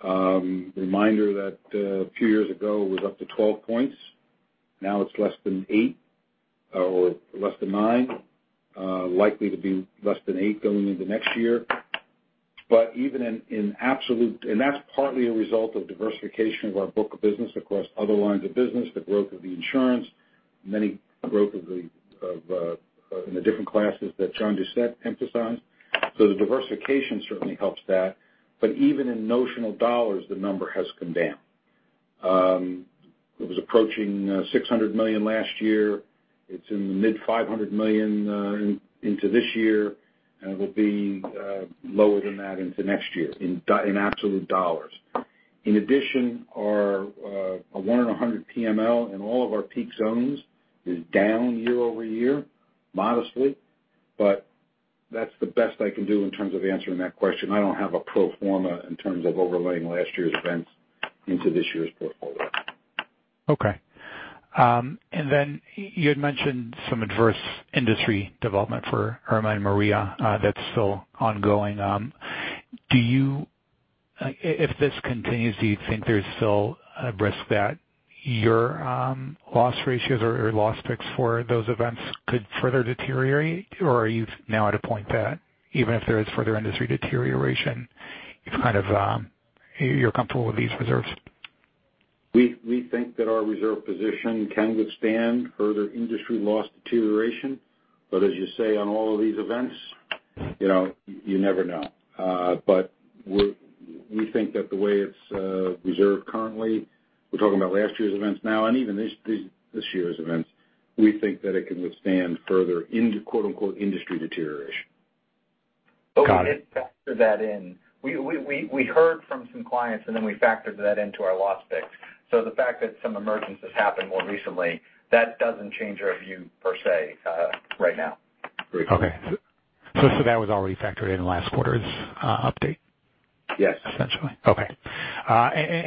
Reminder that a few years ago, it was up to 12 points. Now it's less than eight or less than nine. Likely to be less than eight going into next year. That's partly a result of diversification of our book of business across other lines of business, the growth of the insurance, growth in the different classes that John Doucette emphasized. The diversification certainly helps that. Even in notional dollars, the number has come down. It was approaching $600 million last year. It's in the mid $500 million into this year. It will be lower than that into next year in absolute dollars. In addition, our one in 100 PML in all of our peak zones is down year-over-year, modestly, but that's the best I can do in terms of answering that question. I don't have a pro forma in terms of overlaying last year's events into this year's portfolio. Okay. Then you had mentioned some adverse industry development for Hurricane Irma and Hurricane Maria that's still ongoing. If this continues, do you think there's still a risk that your loss ratios or loss picks for those events could further deteriorate? Are you now at a point that even if there is further industry deterioration, you're comfortable with these reserves? We think that our reserve position can withstand further industry loss deterioration, but as you say, on all of these events, you never know. We think that the way it's reserved currently, we're talking about last year's events now and even this year's events, we think that it can withstand further, quote-unquote, industry deterioration. Got it. We did factor that in. We heard from some clients, and then we factored that into our loss picks. The fact that some emergencies happened more recently, that doesn't change our view per se right now. Agreed. Okay. That was already factored in last quarter's update? Yes. Essentially. Okay.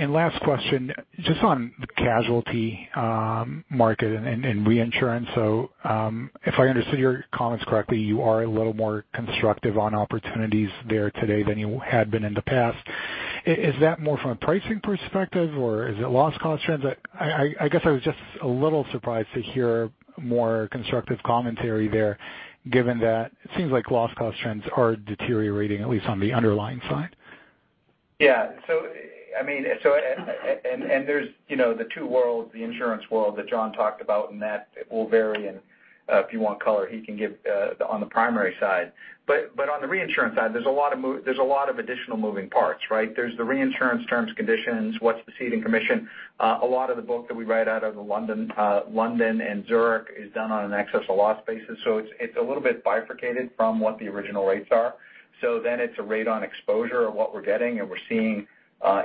Last question, just on the casualty market and reinsurance. If I understood your comments correctly, you are a little more constructive on opportunities there today than you had been in the past. Is that more from a pricing perspective or is it loss cost trends? I guess I was just a little surprised to hear more constructive commentary there, given that it seems like loss cost trends are deteriorating, at least on the underlying side. Yeah. There's the two worlds, the insurance world that John talked about, and that will vary. If you want color, he can give on the primary side. On the reinsurance side, there's a lot of additional moving parts, right? There's the reinsurance terms, conditions, what's the ceding commission. A lot of the book that we write out of London and Zurich is done on an excess of loss basis. It's a little bit bifurcated from what the original rates are. Then it's a rate on exposure of what we're getting, and we're seeing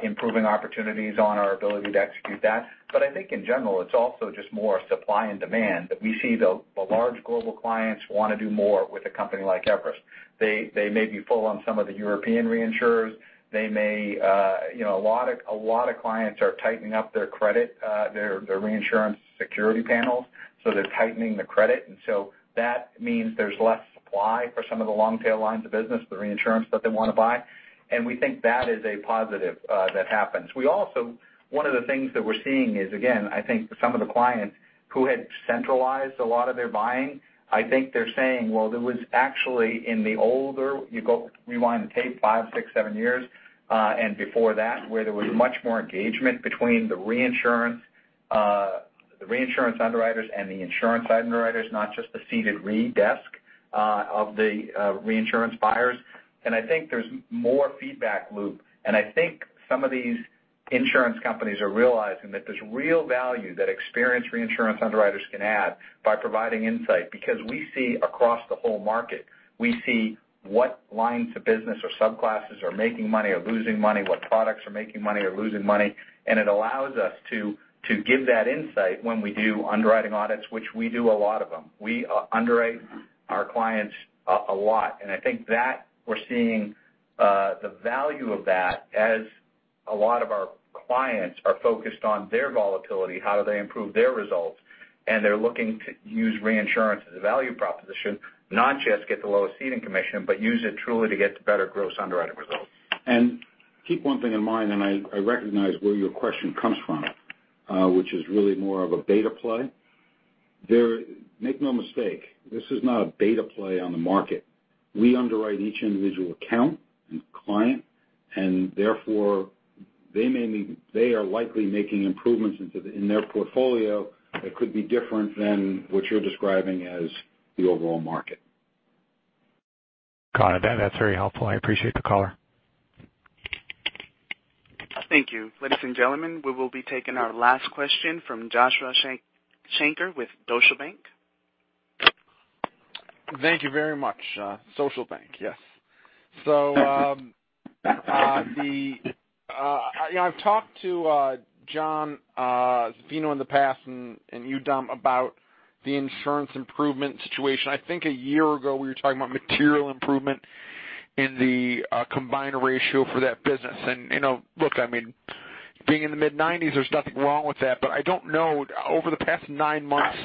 improving opportunities on our ability to execute that. I think in general, it's also just more supply and demand, that we see the large global clients want to do more with a company like Everest. They may be full on some of the European reinsurers. A lot of clients are tightening up their credit, their reinsurance security panels. They're tightening the credit, and that means there's less supply for some of the long-tail lines of business, the reinsurance that they want to buy. We think that is a positive that happens. One of the things that we're seeing is, again, I think for some of the clients who had centralized a lot of their buying, I think they're saying, well, there was actually in the older, you rewind the tape 5, 6, 7 years, and before that, where there was much more engagement between the reinsurance underwriters and the insurance underwriters, not just the ceded re-desk of the reinsurance buyers. I think there's more feedback loop, and I think some of these insurance companies are realizing that there's real value that experienced reinsurance underwriters can add by providing insight. Because we see across the whole market. We see what lines of business or subclasses are making money or losing money, what products are making money or losing money, and it allows us to give that insight when we do underwriting audits, which we do a lot of them. We underwrite our clients a lot, and I think that we're seeing the value of that as a lot of our clients are focused on their volatility, how do they improve their results, and they're looking to use reinsurance as a value proposition, not just get the lowest ceding commission, but use it truly to get to better gross underwriting results. Keep one thing in mind. I recognize where your question comes from, which is really more of a beta play. Make no mistake, this is not a beta play on the market. We underwrite each individual account and client. Therefore, they are likely making improvements in their portfolio that could be different than what you're describing as the overall market. Got it. That's very helpful. I appreciate the color. Thank you. Ladies and gentlemen, we will be taking our last question from Joshua Shanker with Deutsche Bank. Thank you very much. Deutsche Bank, yes. I've talked to John Zaffino in the past, and you, Dom, about the insurance improvement situation. I think a year ago, we were talking about material improvement in the combined ratio for that business. Look, being in the mid-nineties, there's nothing wrong with that, but I don't know, over the past nine months,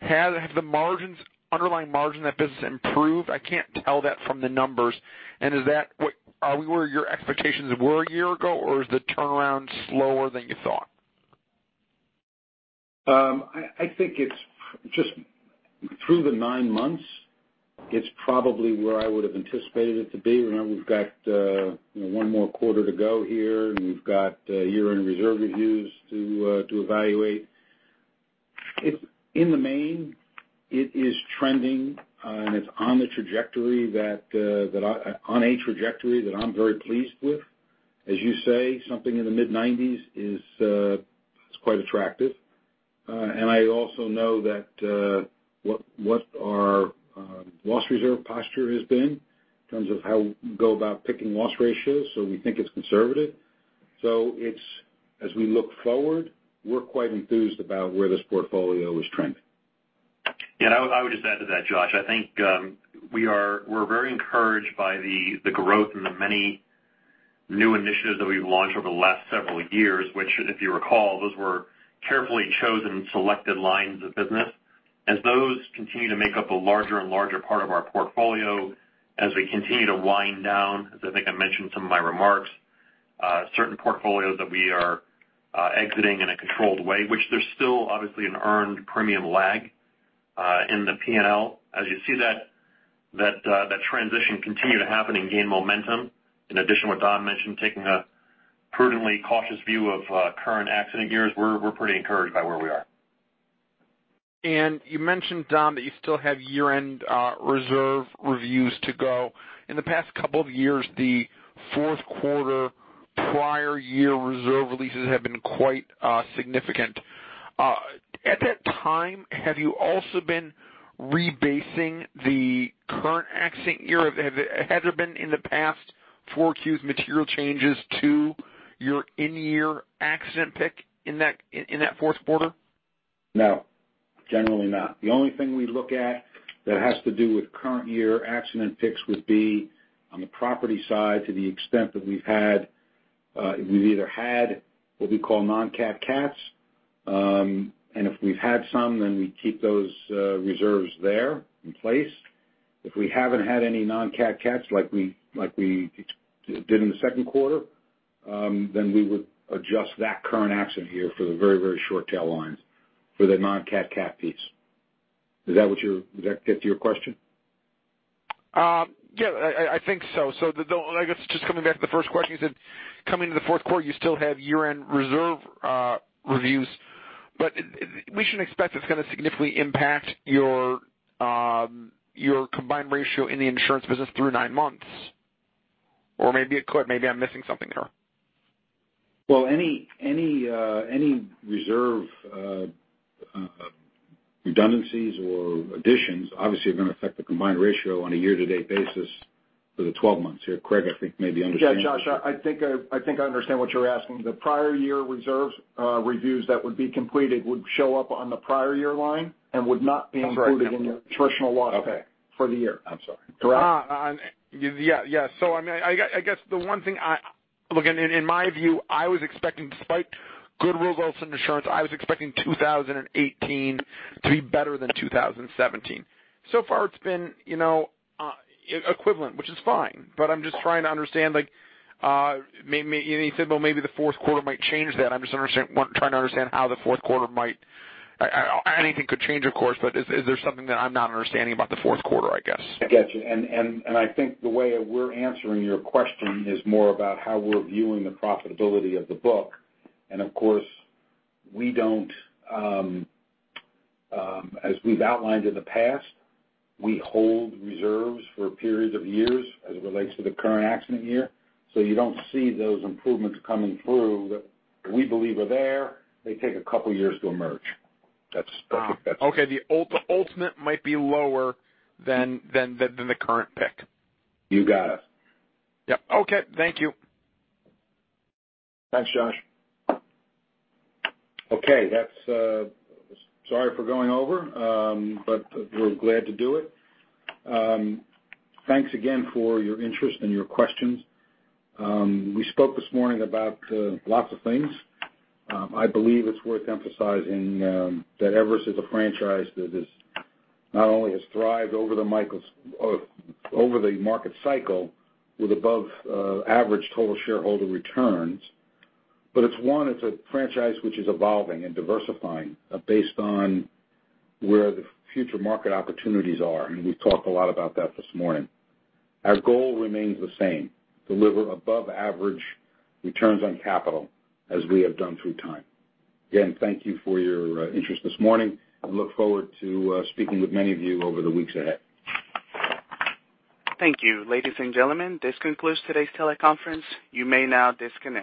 have the underlying margin of that business improved? I can't tell that from the numbers. Are we where your expectations were a year ago, or is the turnaround slower than you thought? I think it's just through the nine months, it's probably where I would've anticipated it to be. We've got one more quarter to go here, and we've got year-end reserve reviews to evaluate. In the main, it is trending, and it's on a trajectory that I'm very pleased with. As you say, something in the mid-nineties is quite attractive. I also know that what our loss reserve posture has been in terms of how we go about picking loss ratios, so we think it's conservative. As we look forward, we're quite enthused about where this portfolio is trending. Yeah, I would just add to that, Josh. I think we're very encouraged by the growth and the many new initiatives that we've launched over the last several years, which, if you recall, those were carefully chosen, selected lines of business. Those continue to make up a larger and larger part of our portfolio, as we continue to wind down, as I think I mentioned in some of my remarks, certain portfolios that we are exiting in a controlled way, which there's still obviously an earned premium lag in the P&L. You see that transition continue to happen and gain momentum, in addition to what Dom mentioned, taking a prudently cautious view of current accident years, we're pretty encouraged by where we are. You mentioned, Dom, that you still have year-end reserve reviews to go. In the past couple of years, the fourth quarter prior year reserve releases have been quite significant. At that time, have you also been rebasing the current accident year? Has there been, in the past 4 Qs, material changes to your in-year accident pick in that fourth quarter? No, generally not. The only thing we look at that has to do with current year accident picks would be on the property side to the extent that we've either had what we call non-CAT-CATs. If we've had some, then we keep those reserves there in place. If we haven't had any non-CAT-CATs like we did in the second quarter, then we would adjust that current accident year for the very, very short tail lines for the non-CAT-CAT piece. Does that get to your question? Yeah, I think so. I guess just coming back to the first question, you said coming to the fourth quarter, you still have year-end reserve reviews. We shouldn't expect it's going to significantly impact your combined ratio in the insurance business through nine months. Maybe it could. Maybe I'm missing something here. Well, any reserve redundancies or additions obviously are going to affect the combined ratio on a year-to-date basis for the 12 months here. Craig, I think may be understanding- Yeah, Josh, I think I understand what you're asking. The prior year reserves reviews that would be completed would show up on the prior year line and would not be included- That's right in your traditional loss pick for the year. I'm sorry. Yeah. I guess the one thing, look, in my view, despite good results in insurance, I was expecting 2018 to be better than 2017. Far it's been equivalent, which is fine, but I'm just trying to understand, you said maybe the fourth quarter might change that. I'm just trying to understand how the fourth quarter might, anything could change, of course, but is there something that I'm not understanding about the fourth quarter, I guess? I get you. I think the way we're answering your question is more about how we're viewing the profitability of the book. Of course, as we've outlined in the past, we hold reserves for periods of years as it relates to the current accident year. You don't see those improvements coming through that we believe are there. They take a couple of years to emerge. Okay. The ultimate might be lower than the current pick. You got it. Yeah. Okay. Thank you. Thanks, Josh. Okay, sorry for going over, but we're glad to do it. Thanks again for your interest and your questions. We spoke this morning about lots of things. I believe it's worth emphasizing that Everest is a franchise that not only has thrived over the market cycle with above-average total shareholder returns, but it's a franchise which is evolving and diversifying based on where the future market opportunities are, and we've talked a lot about that this morning. Our goal remains the same, deliver above-average returns on capital as we have done through time. Again, thank you for your interest this morning. I look forward to speaking with many of you over the weeks ahead. Thank you. Ladies and gentlemen, this concludes today's teleconference. You may now disconnect.